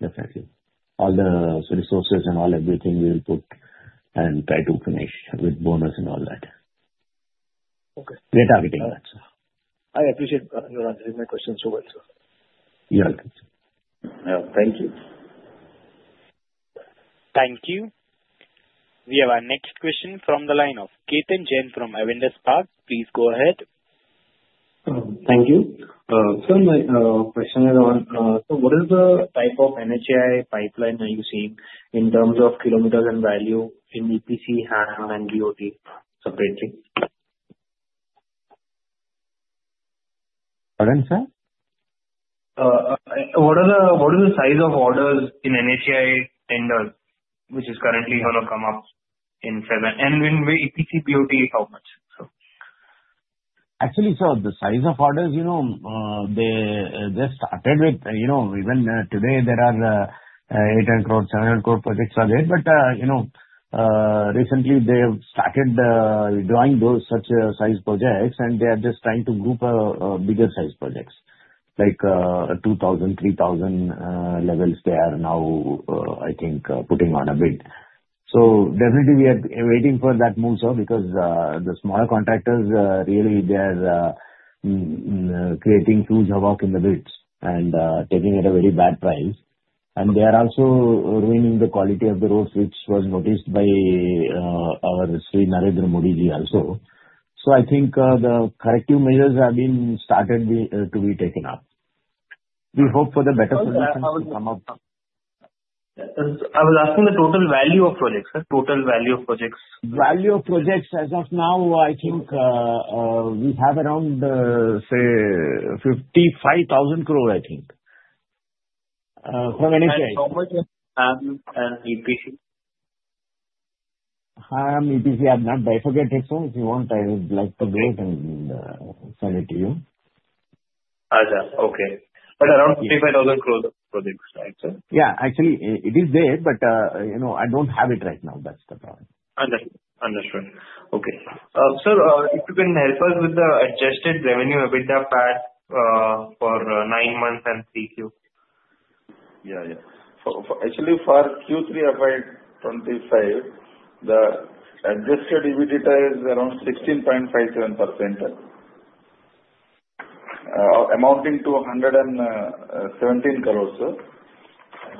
Definitely. All the resources and all everything we will put and try to finish with bonus and all that. We are targeting that, sir. I appreciate your answering my question so well, sir. You're welcome. Yeah. Thank you. Thank you. We have our next question from the line of Ketan Jain from Avendus Spark. Please go ahead. Thank you. Sir, my question is on so what is the type of NHAI pipeline are you seeing in terms of kilometers and value in EPC, HAM, and BOT separately? Pardon, sir? What is the size of orders in NHAI tenders which is currently going to come up in seven? And when we EPC, BOT, how much, sir? Actually, sir, the size of orders, they started with even today, there are 800 crores, 700 crore projects are there. But recently, they have started doing those such size projects, and they are just trying to group bigger size projects like 2,000, 3,000 levels they are now, I think, putting on a bid. So definitely, we are waiting for that move, sir, because the smaller contractors, really, they are creating huge havoc in the bids and taking at a very bad price. They are also ruining the quality of the roads, which was noticed by our Shri Narendra Modi ji also. So I think the corrective measures have been started to be taken up. We hope for the better solutions to come up. I was asking the total value of projects, sir. Total value of projects. Value of projects as of now, I think we have around, say, 55,000 crore, I think, from NHAI. How much is HAM and EPC? HAM and EPC, I have not bifurcated, sir. If you want, I would like to go and send it to you. Okay. But around 55,000 crores of projects, right, sir? Yeah. Actually, it is there, but I don't have it right now. That's the problem. Understood. Okay. Sir, if you can help us with the adjusted revenue EBITDA path for nine months and 3Q? Yeah. Yeah. Actually, for Q3 of 2025, the adjusted EBITDA is around 16.57%, amounting to 117 crores.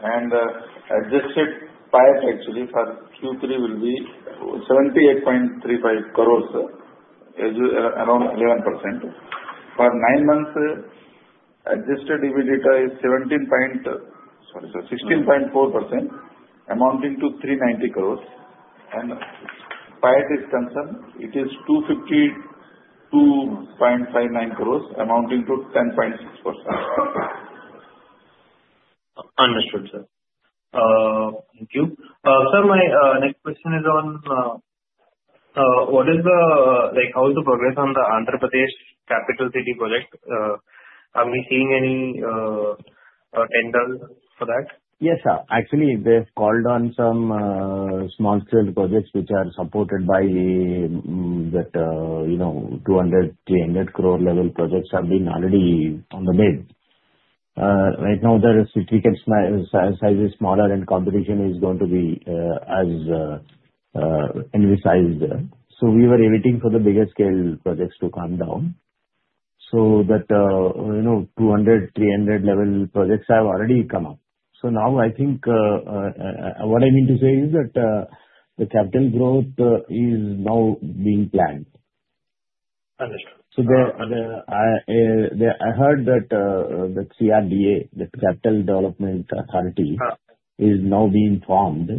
And adjusted PAT, actually, for Q3 will be 78.35 crores, around 11%. For nine months, adjusted EBITDA is 17. Sorry, sir. 16.4%, amounting to 390 crores. And PAT is concerned, it is 252.59 crores, amounting to 10.6%. Understood, sir. Thank you. Sir, my next question is on how is the progress on the Andhra Pradesh capital city project? Are we seeing any tenders for that? Yes, sir. Actually, they have called on some small-scale projects which are supported by that 200 crore-300 crore level projects have been already on the bid. Right now, the city gets sizes smaller and competition is going to be as invisible. So we were awaiting for the bigger scale projects to come down so that 200 crore-300 crore level projects have already come up. So now, I think what I mean to say is that the capital growth is now being planned. Understood. I heard that CRDA, the Capital Development Authority, is now being formed,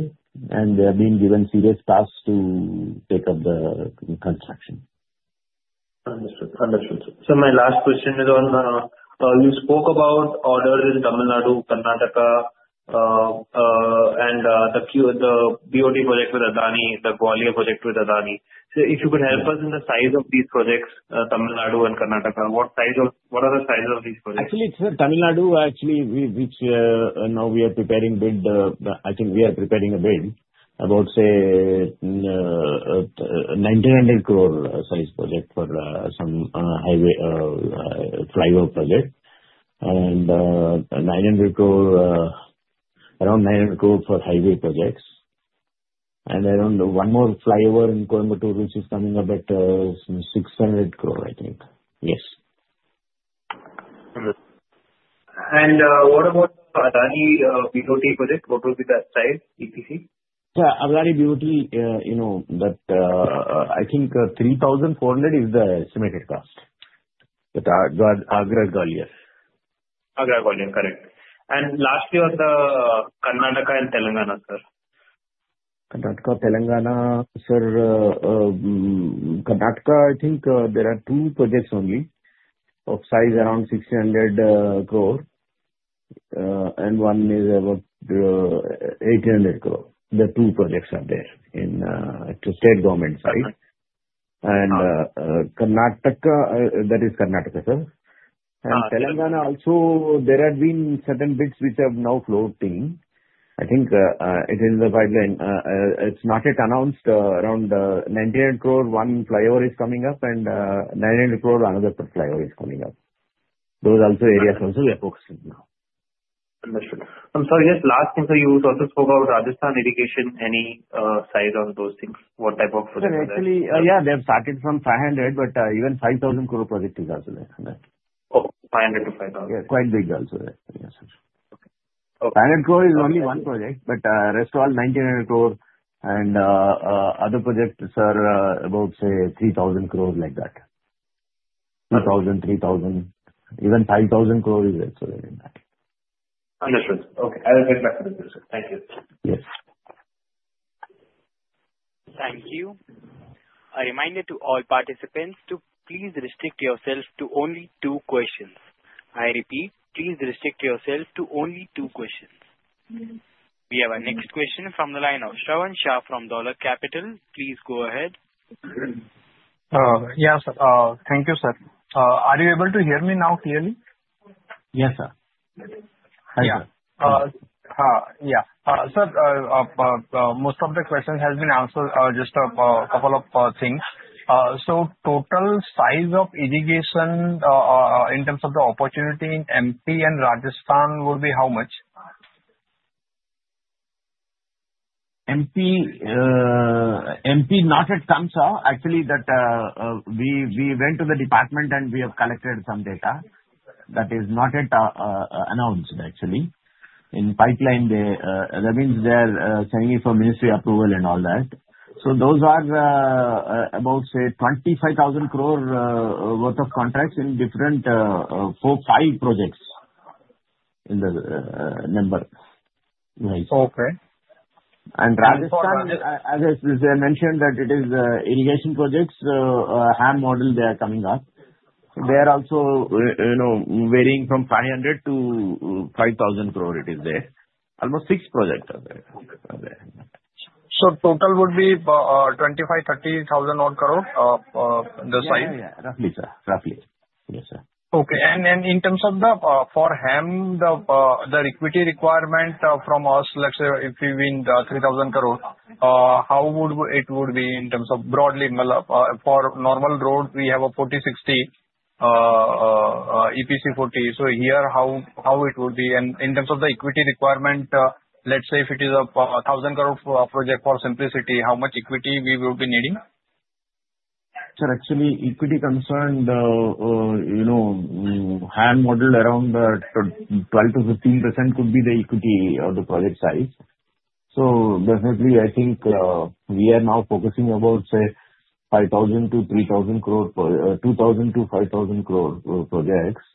and they have been given serious tasks to take up the construction. Understood. Sir, my last question is on you spoke about orders in Tamil Nadu, Karnataka, and the BOT project with Adani, the Gwalior project with Adani. So if you could help us in the size of these projects, Tamil Nadu and Karnataka, what are the sizes of these projects? Actually, sir, Tamil Nadu, actually, now we are preparing bid. I think we are preparing a bid about, say, 1,900 crore size project for some highway flyover project and around 900 crore for highway projects. And I don't know, one more flyover in Coimbatore which is coming up at 600 crore, I think. Yes. Understood. And what about Adani BOT project? What will be that size, EPC? Sir, Adani BOT, I think 3,400 is the estimated cost. That Agra Gwalior. Agra Gwalior, correct, and last year on the Karnataka and Telangana, sir? Karnataka, Telangana. Sir, Karnataka, I think there are two projects only of size around 1,600 crore, and one is about 1,800 crore. The two projects are there in the state government side. And Karnataka, that is Karnataka, sir. And Telangana also, there have been certain bids which have now floating. I think it is the pipeline. It's not yet announced. Around 900 crore, one flyover is coming up, and 900 crore, another flyover is coming up. Those are also areas also we are focusing now. Understood. I'm sorry, just last thing, sir, you also spoke about Rajasthan irrigation. Any size on those things? What type of projects are there? Actually, yeah, they have started from 500, but even 5,000 crore project is also there. 500 to 5,000. Yeah. Quite big also. Yes, sir. 500 crore is only one project, but the rest of all 900 crore and other projects, sir, about, say, 3,000 crore like that. 2,000, 3,000, even 5,000 crore is also there in that. Understood. Okay. I will get back to you, sir. Thank you. Yes. Thank you. A reminder to all participants to please restrict yourself to only two questions. I repeat, please restrict yourself to only two questions. We have our next question from the line of Shravan Shah from Dolat Capital. Please go ahead. Yeah, sir. Thank you, sir. Are you able to hear me now clearly? Yes, sir. Hi, sir. Yeah. Sir, most of the questions have been answered, just a couple of things. So total size of irrigation in terms of the opportunity in MP and Rajasthan would be how much? MP not at terms, sir. Actually, we went to the department and we have collected some data that is not yet announced, actually. In pipeline, that means they are sending it for ministry approval and all that. So those are about, say, 25,000 crore worth of contracts in different four, five projects in the number. And Rajasthan, as I mentioned, that it is irrigation projects, HAM model they are coming up. They are also varying from 500 to 5,000 crore it is there. Almost six projects are there. So total would be 25,000-30,000 crore the size? Yeah. Yeah. Roughly, sir. Roughly. Yes, sir. Okay. And in terms of the HAM, the equity requirement from us, let's say if we win 3,000 crore, how would it be in terms of broadly? For normal road, we have a 40-60, EPC 40. So here, how it would be? And in terms of the equity requirement, let's say if it is a 1,000 crore project for simplicity, how much equity will be needing? Sir, actually, equity concerned, HAM model around 12%-15% could be the equity of the project size. So definitely, I think we are now focusing about, say, 5,000-3,000 crore, INR2,000-INR 5,000 crore projects.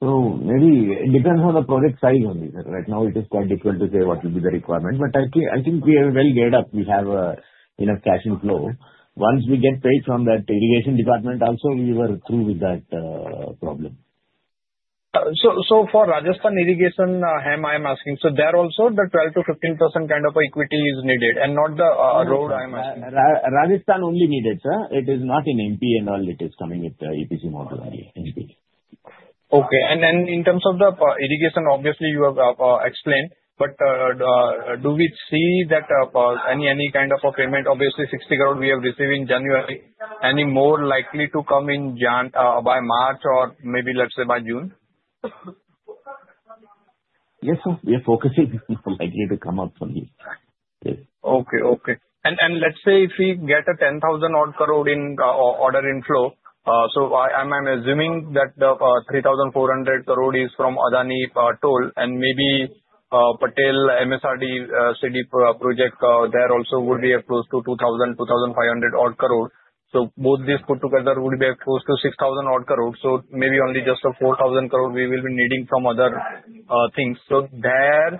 So maybe it depends on the project size only, sir. Right now, it is quite difficult to say what will be the requirement. But I think we have well geared up. We have enough cash inflow. Once we get paid from that irrigation department, also we were through with that problem. For Rajasthan irrigation HAM, I am asking, so there also the 12%-15% kind of equity is needed and not the road, I am asking? Rajasthan only needed, sir. It is not in MP and all it is coming with EPC model only. Okay. And in terms of the irrigation, obviously, you have explained, but do we see that any kind of a payment, obviously, 60 crore we have received in January, any more likely to come in by March or maybe, let's say, by June? Yes, sir. We are focusing on likely to come out soon. Yes. Okay. Okay. Let's say if we get an 10,000 crore order inflow, so I'm assuming that the 3,400 crore is from Adani toll and maybe Patel MSRDC project there also would be close to 2,000-2,500 crore. So both these put together would be close to 6,000 crore. So maybe only just 4,000 crore we will be needing from other things. So there,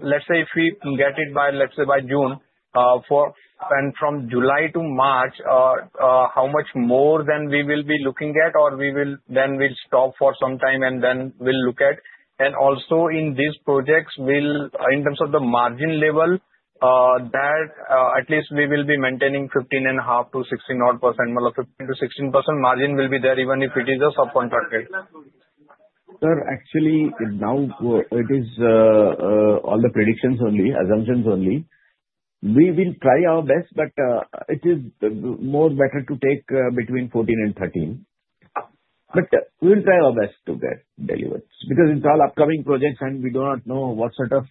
let's say if we get it by, let's say, by June and from July to March, how much more then we will be looking at or then we'll stop for some time and then we'll look at. And also in these projects, in terms of the margin level, that at least we will be maintaining 15.5%-16%, 15%-16% margin will be there even if it is a subcontracted. Sir, actually, now it is all the predictions only, assumptions only. We will try our best, but it is more better to take between 14 and 13, but we will try our best to get delivered because it's all upcoming projects and we do not know what sort of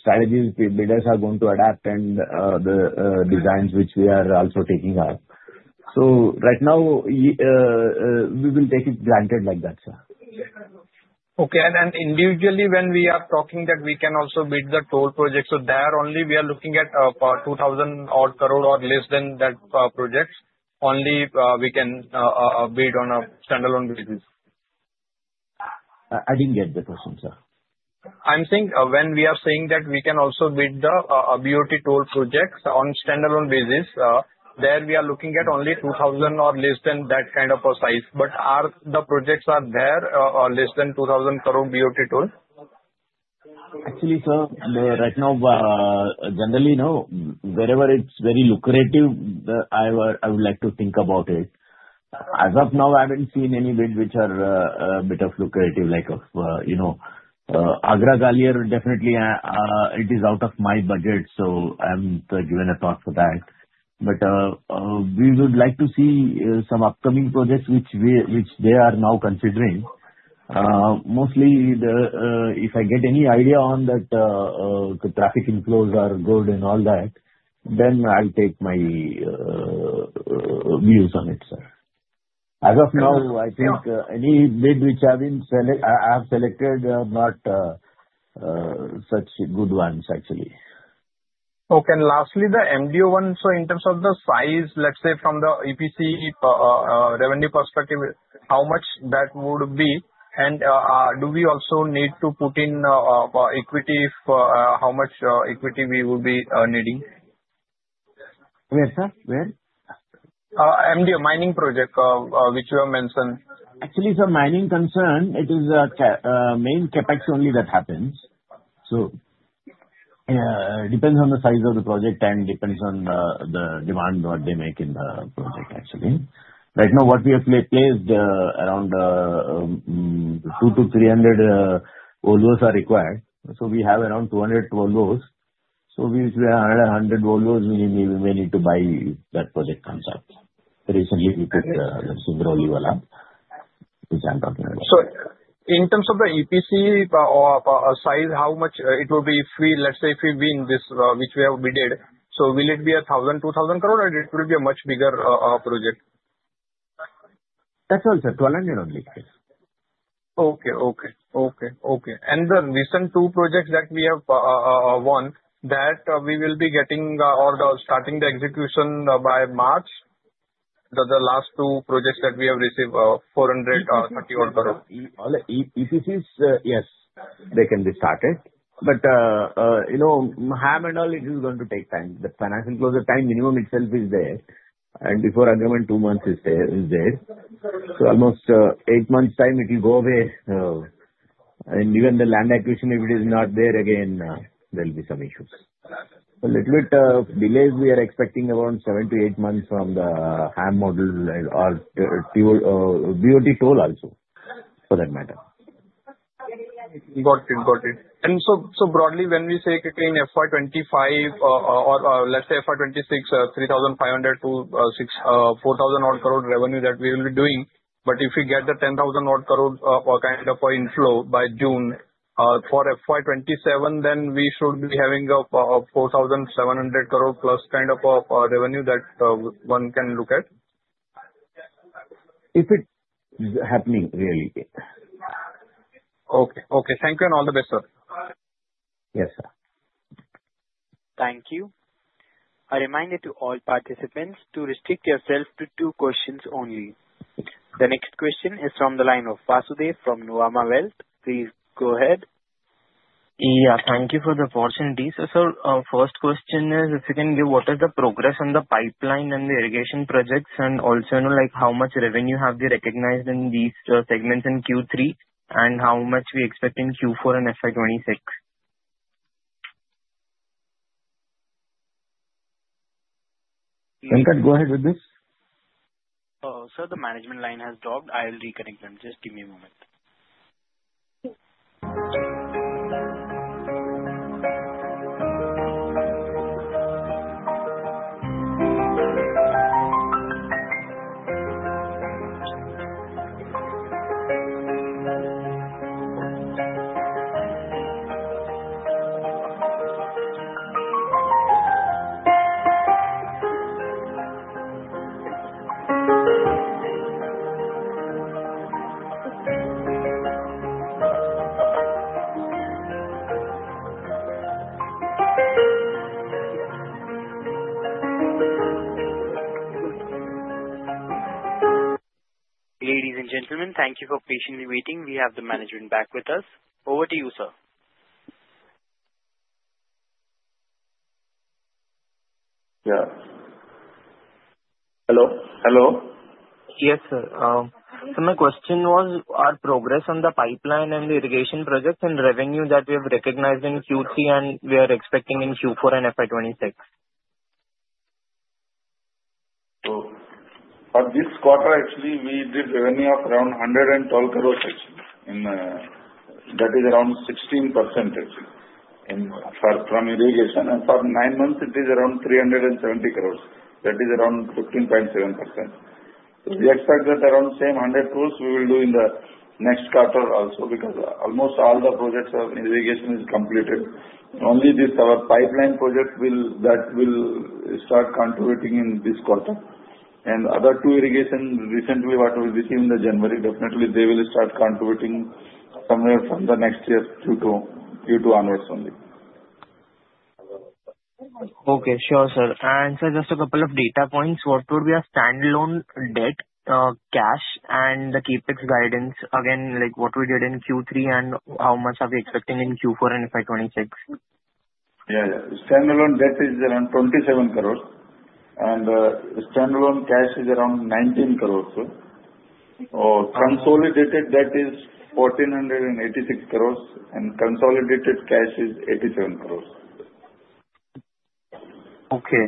strategies builders are going to adapt and the designs which we are also taking up, so right now, we will take it granted like that, sir. Okay. And individually, when we are talking that we can also bid the toll projects, so there only we are looking at 2,000 crore or less than that projects, only we can bid on a standalone basis? I didn't get the question, sir. I'm saying when we are saying that we can also bid the BOT toll projects on standalone basis, there we are looking at only 2,000 or less than that kind of a size. But are the projects there less than 2,000 crore BOT toll? Actually, sir, right now, generally, wherever it's very lucrative, I would like to think about it. As of now, I haven't seen any bid which are a bit of lucrative like Agra Gwalior. Definitely, it is out of my budget, so I'm given a thought for that. But we would like to see some upcoming projects which they are now considering. Mostly, if I get any idea on that the traffic inflows are good and all that, then I'll take my views on it, sir. As of now, I think any bid which I have selected, not such good ones, actually. Okay. And lastly, the MDO one, so in terms of the size, let's say from the EPC revenue perspective, how much that would be? And do we also need to put in equity if how much equity we would be needing? Where, sir? Where? MDO mining project which you have mentioned. Actually, sir, mining concern, it is main CapEx only that happens. So it depends on the size of the project and depends on the demand what they make in the project, actually. Right now, what we have placed around 200-300 Volvos are required. So we have around 200 Volvos. So we are 100 Volvos we may need to buy that project concept. Recently, we put the Singrauli which I'm talking about. In terms of the EPC size, how much it will be if we, let's say, if we win this which we have bid, so will it be 1,000, 2,000 crore or it will be a much bigger project? That's all, sir. 1,200 only. Okay. The recent two projects that we have won, that we will be getting or starting the execution by March? The last two projects that we have received INR 430 crore? EPCs, yes, they can be started. But handover and all, it is going to take time. The financial close of time minimum itself is there. And before agreement, two months is there. So almost eight months' time it will go away. And even the land acquisition, if it is not there again, there will be some issues. A little bit delays, we are expecting around seven to eight months from the HAM model or BOT toll also for that matter. Got it. Got it. And so broadly, when we say in FY 2025 or let's say FY 2026, 3,500-4,000 crore revenue that we will be doing, but if we get the 10,000 crore kind of inflow by June for FY 2027, then we should be having 4,700 crore plus kind of a revenue that one can look at? If it's happening really. Okay. Okay. Thank you and all the best, sir. Yes, sir. Thank you. A reminder to all participants to restrict yourself to two questions only. The next question is from the line of Vasudev from Nuvama Wealth. Please go ahead. Yeah. Thank you for the opportunity. Sir, first question is, if you can give what is the progress on the pipeline and the irrigation projects and also how much revenue have we recognized in these segments in Q3 and how much we expect in Q4 and FY 2026? In fact, go ahead with this. Sir, the management line has dropped. I'll reconnect them. Just give me a moment. Ladies and gentlemen, thank you for patiently waiting. We have the management back with us. Over to you, sir. Yeah. Hello? Hello. Yes, sir. So my question was, our progress on the pipeline and the irrigation projects and revenue that we have recognized in Q3 and we are expecting in Q4 and FY 2026. So for this quarter, actually, we did revenue of around 112 crores, actually. That is around 16%, actually, from irrigation. And for nine months, it is around 370 crores. That is around 15.7%. We expect that around same 100 crores we will do in the next quarter also because almost all the projects of irrigation is completed. Only this pipeline project that will start contributing in this quarter. And other two irrigation recently what we received in the January, definitely they will start contributing somewhere from the next year due to onwards only. Okay. Sure, sir. And sir, just a couple of data points. What would be a standalone debt, cash, and the CapEx guidance? Again, what we did in Q3 and how much are we expecting in Q4 and FY 2026? Yeah. Standalone debt is around 27 crores. And standalone cash is around 19 crores. Consolidated debt is 1,486 crores. And consolidated cash is 87 crores. Okay.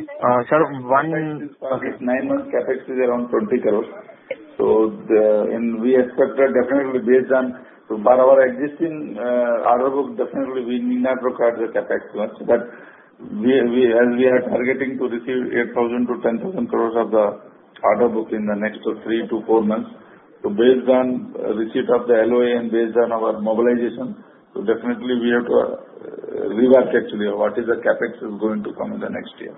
Sir, one. Nine months CapEx is around 20 crores, so we expect that definitely based on our existing order book, definitely we need not require the CapEx much, but as we are targeting to receive 8,000-10,000 crores of the order book in the next three to four months, so based on receipt of the LOA and based on our mobilization, so definitely we have to rework actually what is the CapEx is going to come in the next year.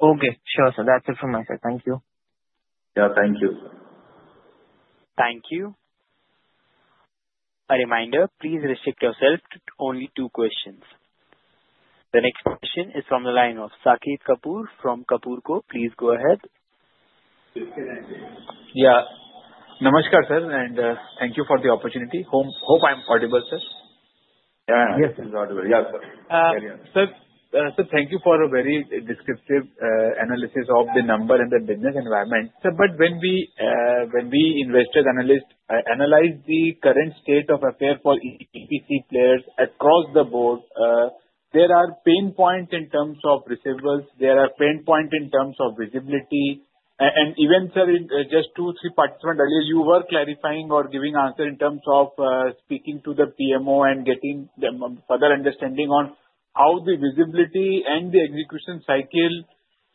Okay. Sure, sir. That's it from my side. Thank you. Yeah. Thank you. Thank you. A reminder, please restrict yourself to only two questions. The next question is from the line of Saket Kapoor from Kapoor & Co. Please go ahead. Yeah. Namaskar, sir. And thank you for the opportunity. Hope I'm audible, sir. Yeah. It's audible. Yeah, sir. Sir, thank you for a very descriptive analysis of the numbers and the business environment. Sir, but when we investor analysts analyze the current state of affairs for EPC players across the board, there are pain points in terms of receivables. There are pain points in terms of visibility. And even just two, three participants earlier, you were clarifying or giving answer in terms of speaking to the PMO and getting further understanding on how the visibility and the execution cycle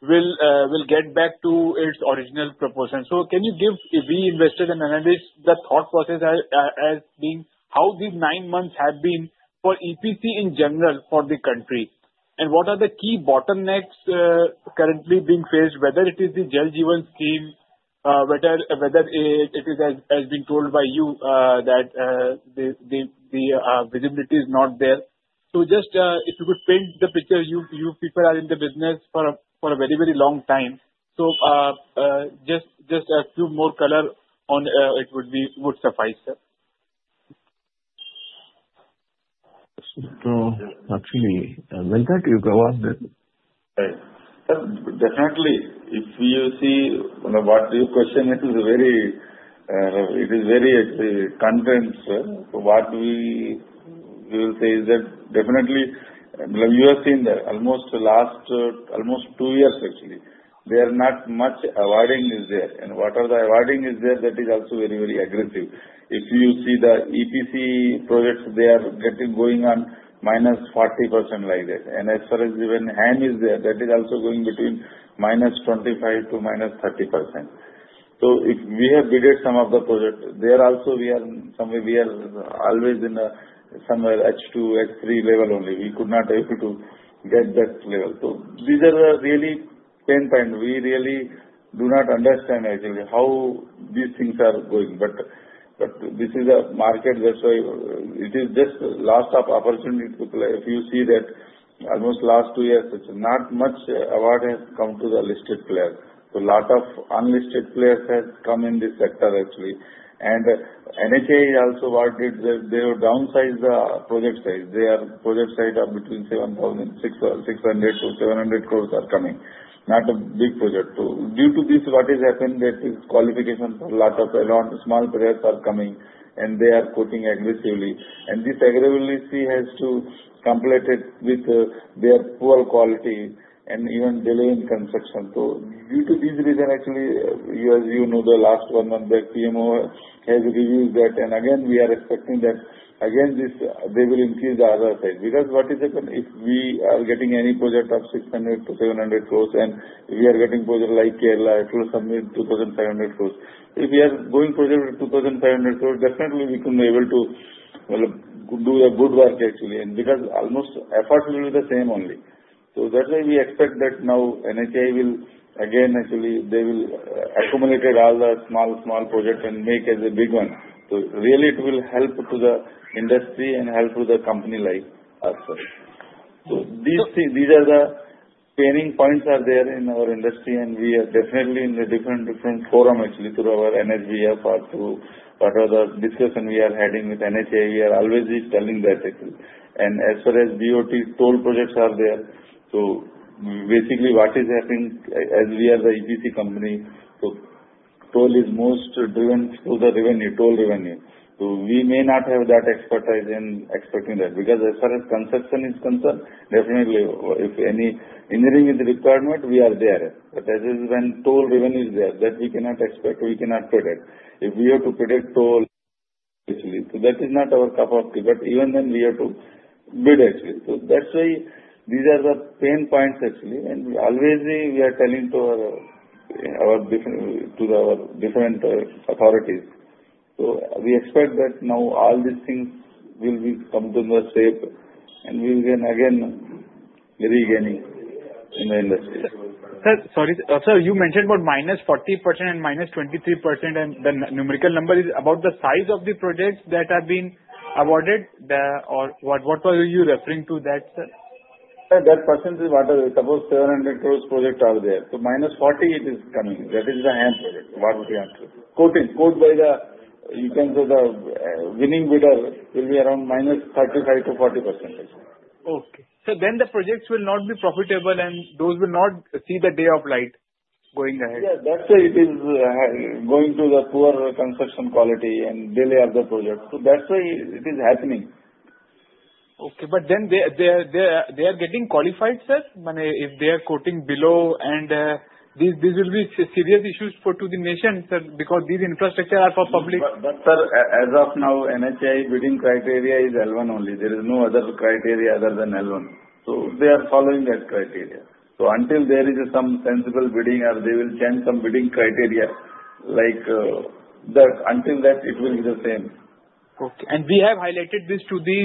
will get back to its original proportion. So can you give us investor analysts the thought process as being how these nine months have been for EPC in general for the country? And what are the key bottlenecks currently being faced, whether it is the Jal Jeevan scheme, whether it is, as been told by you, that the visibility is not there? So just if you could paint the picture, you people are in the business for a very, very long time. So just a few more colors on it would suffice, sir. Actually, well thank you, Kapoor-bhai. Definitely, if you see what your question is, it is very condensed. What we will say is that definitely, you have seen that almost two years, actually, there are not much awarding is there. And what are the awarding is there that is also very, very aggressive. If you see the EPC projects, they are going on -40% like that. And as far as even HAM is there, that is also going between -25% to -30%. So if we have bidded some of the project, there also we are always in somewhere H2, H3 level only. We could not be able to get that level. So these are really pain points. We really do not understand actually how these things are going. But this is a market, that's why it is just loss of opportunity to play. If you see that almost last two years, not much award has come to the listed players. So a lot of unlisted players have come in this sector, actually. And NHAI also what did, they downsized the project size. Their project size are between 600-700 crores are coming. Not a big project. Due to this, what has happened, that is qualification for a lot of small players are coming and they are quoting aggressively. And this aggressiveness has to complete it with their poor quality and even delay in construction. So due to these reasons, actually, as you know, the last one, the PMO has reviewed that. And again, we are expecting that again, they will increase the order size. Because what is happened, if we are getting any project of 600-700 crores and we are getting project like Kerala to submit 2,500 crores, if we are going project to 2,500 crores, definitely we can be able to do the good work, actually, and because almost effort will be the same only, so that's why we expect that now NHAI will again, actually, they will accumulate all the small, small projects and make as a big one, so really, it will help to the industry and help to the company like us, so these are the pain points are there in our industry, and we are definitely in a different forum, actually, through our NHBF or whatever discussion we are having with NHAI, we are always telling that. And as far as BOT toll projects are there, so basically what is happening as we are the EPC company, so toll is most driven to the revenue, toll revenue. So we may not have that expertise in expecting that. Because as far as construction is concerned, definitely, if any engineering is required, we are there. But as when toll revenue is there, that we cannot expect, we cannot predict. If we have to predict toll, actually, so that is not our cup of tea. But even then, we have to bid, actually. So that's why these are the pain points, actually. And always we are telling to our different authorities. So we expect that now all these things will come to the shape. And we will gain again regaining in the industry. Sir, sorry. Sir, you mentioned about minus 40% and minus 23%. And the numerical number is about the size of the projects that have been awarded. What were you referring to that, sir? That percent is whatever it is. Suppose 700 crores project are there. So minus 40%, it is coming. That is the HAM project. What we have to quote by the you can say the winning bidder will be around minus 35%-40%. Okay. So then, the projects will not be profitable, and those will not see the light of day going ahead. Yeah. That's why it is going to the poor construction quality and delay of the project, so that's why it is happening. Okay. But then they are getting qualified, sir? If they are quoting below, and this will be serious issues for the nation, sir, because these infrastructures are for public. But sir, as of now, NHAI bidding criteria is L1 only. There is no other criteria other than L1. So they are following that criteria. So until there is some sensible bidding or they will change some bidding criteria, until that, it will be the same. Okay. And we have highlighted this to the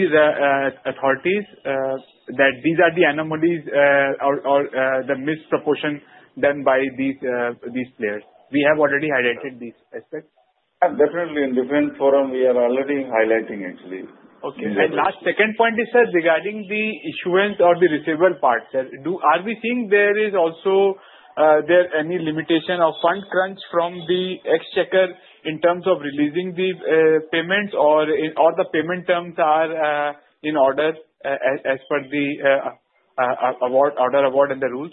authorities that these are the anomalies or the misproportion done by these players. We have already highlighted these aspects. Definitely. In different forum, we are already highlighting, actually. Okay. And last second point is, sir, regarding the issue of the receivable part, sir, are we seeing there is also any limitation of fund crunch from the EPC contractor in terms of releasing the payments or the payment terms are in order as per the order award and the rules?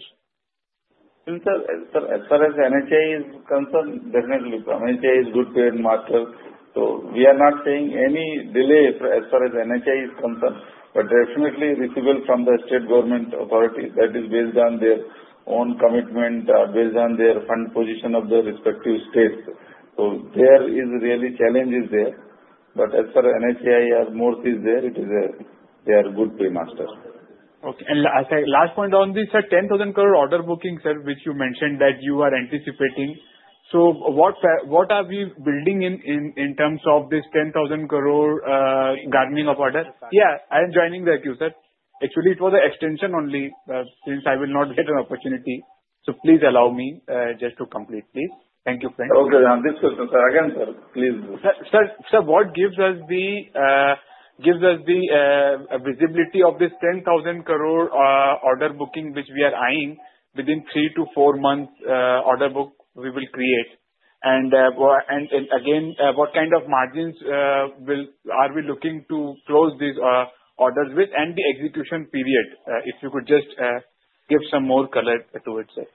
Sir, as far as NHAI is concerned, definitely. NHAI is good paymaster. So we are not seeing any delay as far as NHAI is concerned. But definitely, receivables from the state government authorities, that is based on their own commitment, based on their fund position of the respective states. So there is real challenge there. But as far as NHAI and MoRTH is there, they are good paymaster. Okay. And last point on this, sir, 10,000 crore order booking, sir, which you mentioned that you are anticipating. So what are we building in terms of this 10,000 crore garnering of order? Yeah. I am joining the queue, sir. Actually, it was an extension only since I will not get an opportunity. So please allow me just to complete, please. Thank you, friend. Okay. I'm disclosing, sir. Again, sir, please. Sir, what gives us the visibility of this 10,000 crore order booking, which we are eyeing within three to four months order book we will create? And again, what kind of margins are we looking to close these orders with? And the execution period, if you could just give some more color to it, sir.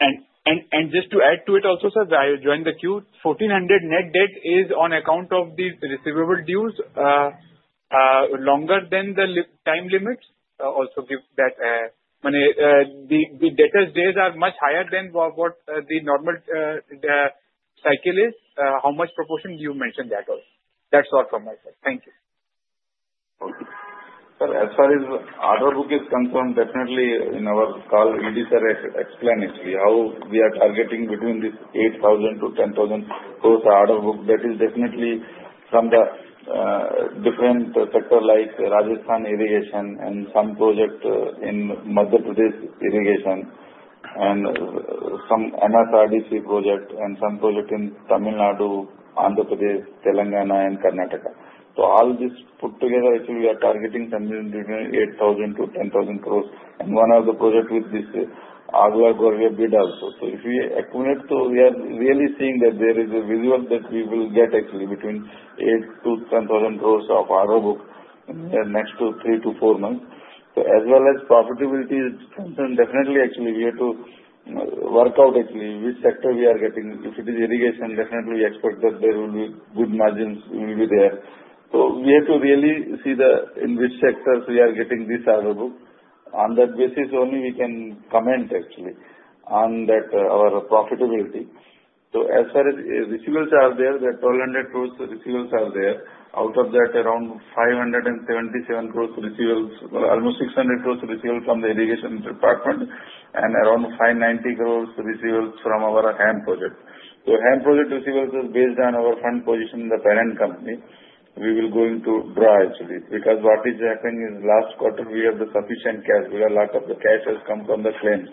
And just to add to it also, sir, I joined the queue. 1,400 net debt is on account of the receivable dues longer than the time limit? Also give that. The debtors' days are much higher than what the normal cycle is. How much proportion do you mention that also? That's all from my side. Thank you. Okay. Sir, as far as order book is concerned, definitely in our call, ED sir explained actually how we are targeting between this 8,000-10,000 crores order book. That is definitely from the different sector like Rajasthan irrigation and some project in Madhya Pradesh irrigation and some MSRDC project and some project in Tamil Nadu, Andhra Pradesh, Telangana, and Karnataka. So all this put together, actually, we are targeting something between 8,000-10,000 crores. And one of the projects with this Agra-Gwalior bid also. So if we accumulate, so we are really seeing that there is a visibility that we will get actually between 8,000-10,000 crores of order book next to three to four months. So as well as profitability is concerned, definitely, actually, we have to work out actually which sector we are getting. If it is irrigation, definitely we expect that there will be good margins will be there. So we have to really see in which sectors we are getting this order book. On that basis only, we can comment actually on our profitability. So as far as receivables are there, that 1,200 crores receivables are there. Out of that, around 577 crores receivables, almost 600 crores receivables from the irrigation department, and around 590 crores receivables from our HAM project. So HAM project receivables is based on our fund position in the parent company. We are going to draw actually. Because what is happening is last quarter, we have the sufficient cash. The bulk of the cash has come from the claims.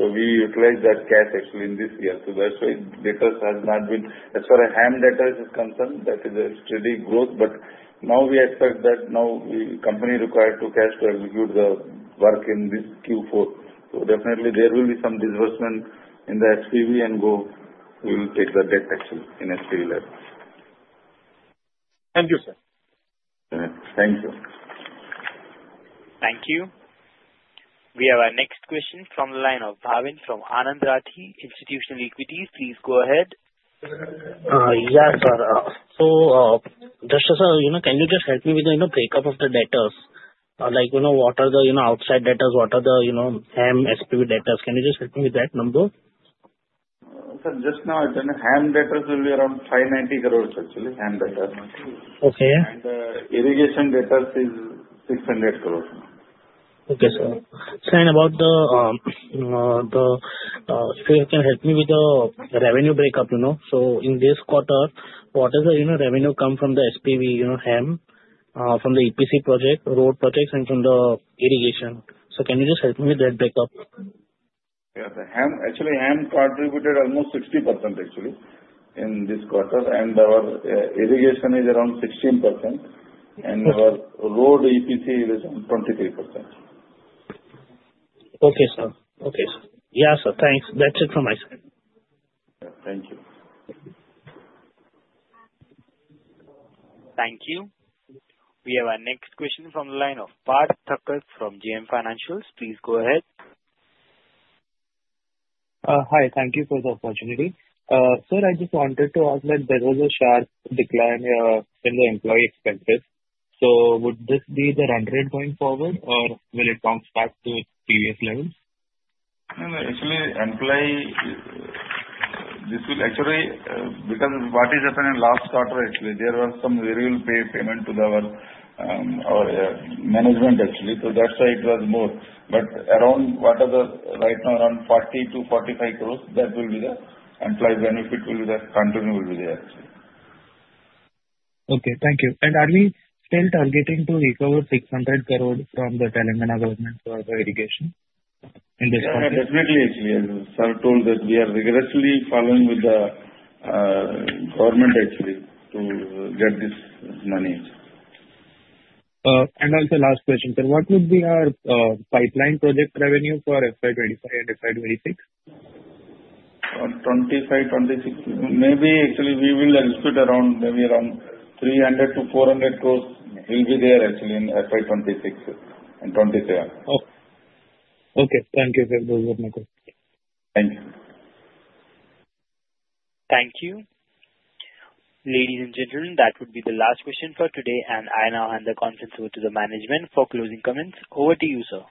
So we utilize that cash actually in this year. So that's why debtors have not been. As far as HAM debtors is concerned, that is a steady growth. Now we expect that the company requires cash to execute the work in this Q4, so definitely there will be some disbursement in the SPV and we will take the debt actually at SPV level. Thank you, sir. Thank you. Thank you. We have our next question from the line of Bhavin from Anand Rathi Institutional Equities. Please go ahead. Yeah, sir, so sir, can you just help me with the breakup of the debtors? What are the outside debtors? What are the hand SPV debtors? Can you just help me with that number? Sir, just now, NH debtors will be around 590 crores actually. And irrigation debtors is 600 crores. Okay, sir. Sir, and about that, if you can help me with the revenue breakup. So in this quarter, what is the revenue come from the SPV and, from the EPC project, road projects, and from the irrigation? So can you just help me with that breakup? Yeah. Actually, HAM contributed almost 60% actually in this quarter. And our irrigation is around 16%. And our road EPC is around 23%. Okay, sir. Okay, sir. Yeah, sir. Thanks. That's it from my side. Thank you. Thank you. We have our next question from the line of Parth Thakkar from JM Financial. Please go ahead. Hi. Thank you for the opportunity. Sir, I just wanted to ask that there was a sharp decline in the employee expenses. So would this be the run rate going forward, or will it bounce back to previous levels? Actually, employee, this will actually because what is happening last quarter, actually, there was some variable payment to our management actually, so that's why it was more, but around what are the right now, around 40-45 crores, that will be the employee benefit will be the continuing will be there actually. Okay. Thank you. And are we still targeting to recover 600 crores from the Telangana government for the irrigation in this quarter? Yeah. Definitely, actually. As sir told, that we are rigorously following with the government actually to get this money. Also last question, sir, what would be our pipeline project revenue for FY 25 and FY 26? 25, 26. Maybe actually we will expect around 300-400 crores will be there actually in FY 26 and 27. Okay. Okay. Thank you, sir. Those were my questions. Thank you. Thank you. Ladies and gentlemen, that would be the last question for today. And I now hand the conference over to the management for closing comments. Over to you, sir.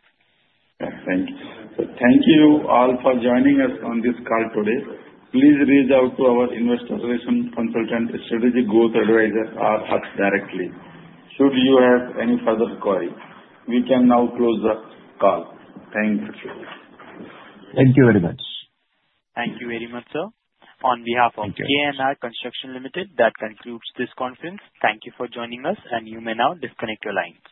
Thank you. So thank you all for joining us on this call today. Please reach out to our investor relations consultant, Strategic Growth Advisors, or us directly. Should you have any further queries, we can now close the call. Thank you. Thank you very much. Thank you very much, sir. On behalf of KNR Constructions Limited, that concludes this conference. Thank you for joining us, and you may now disconnect your line.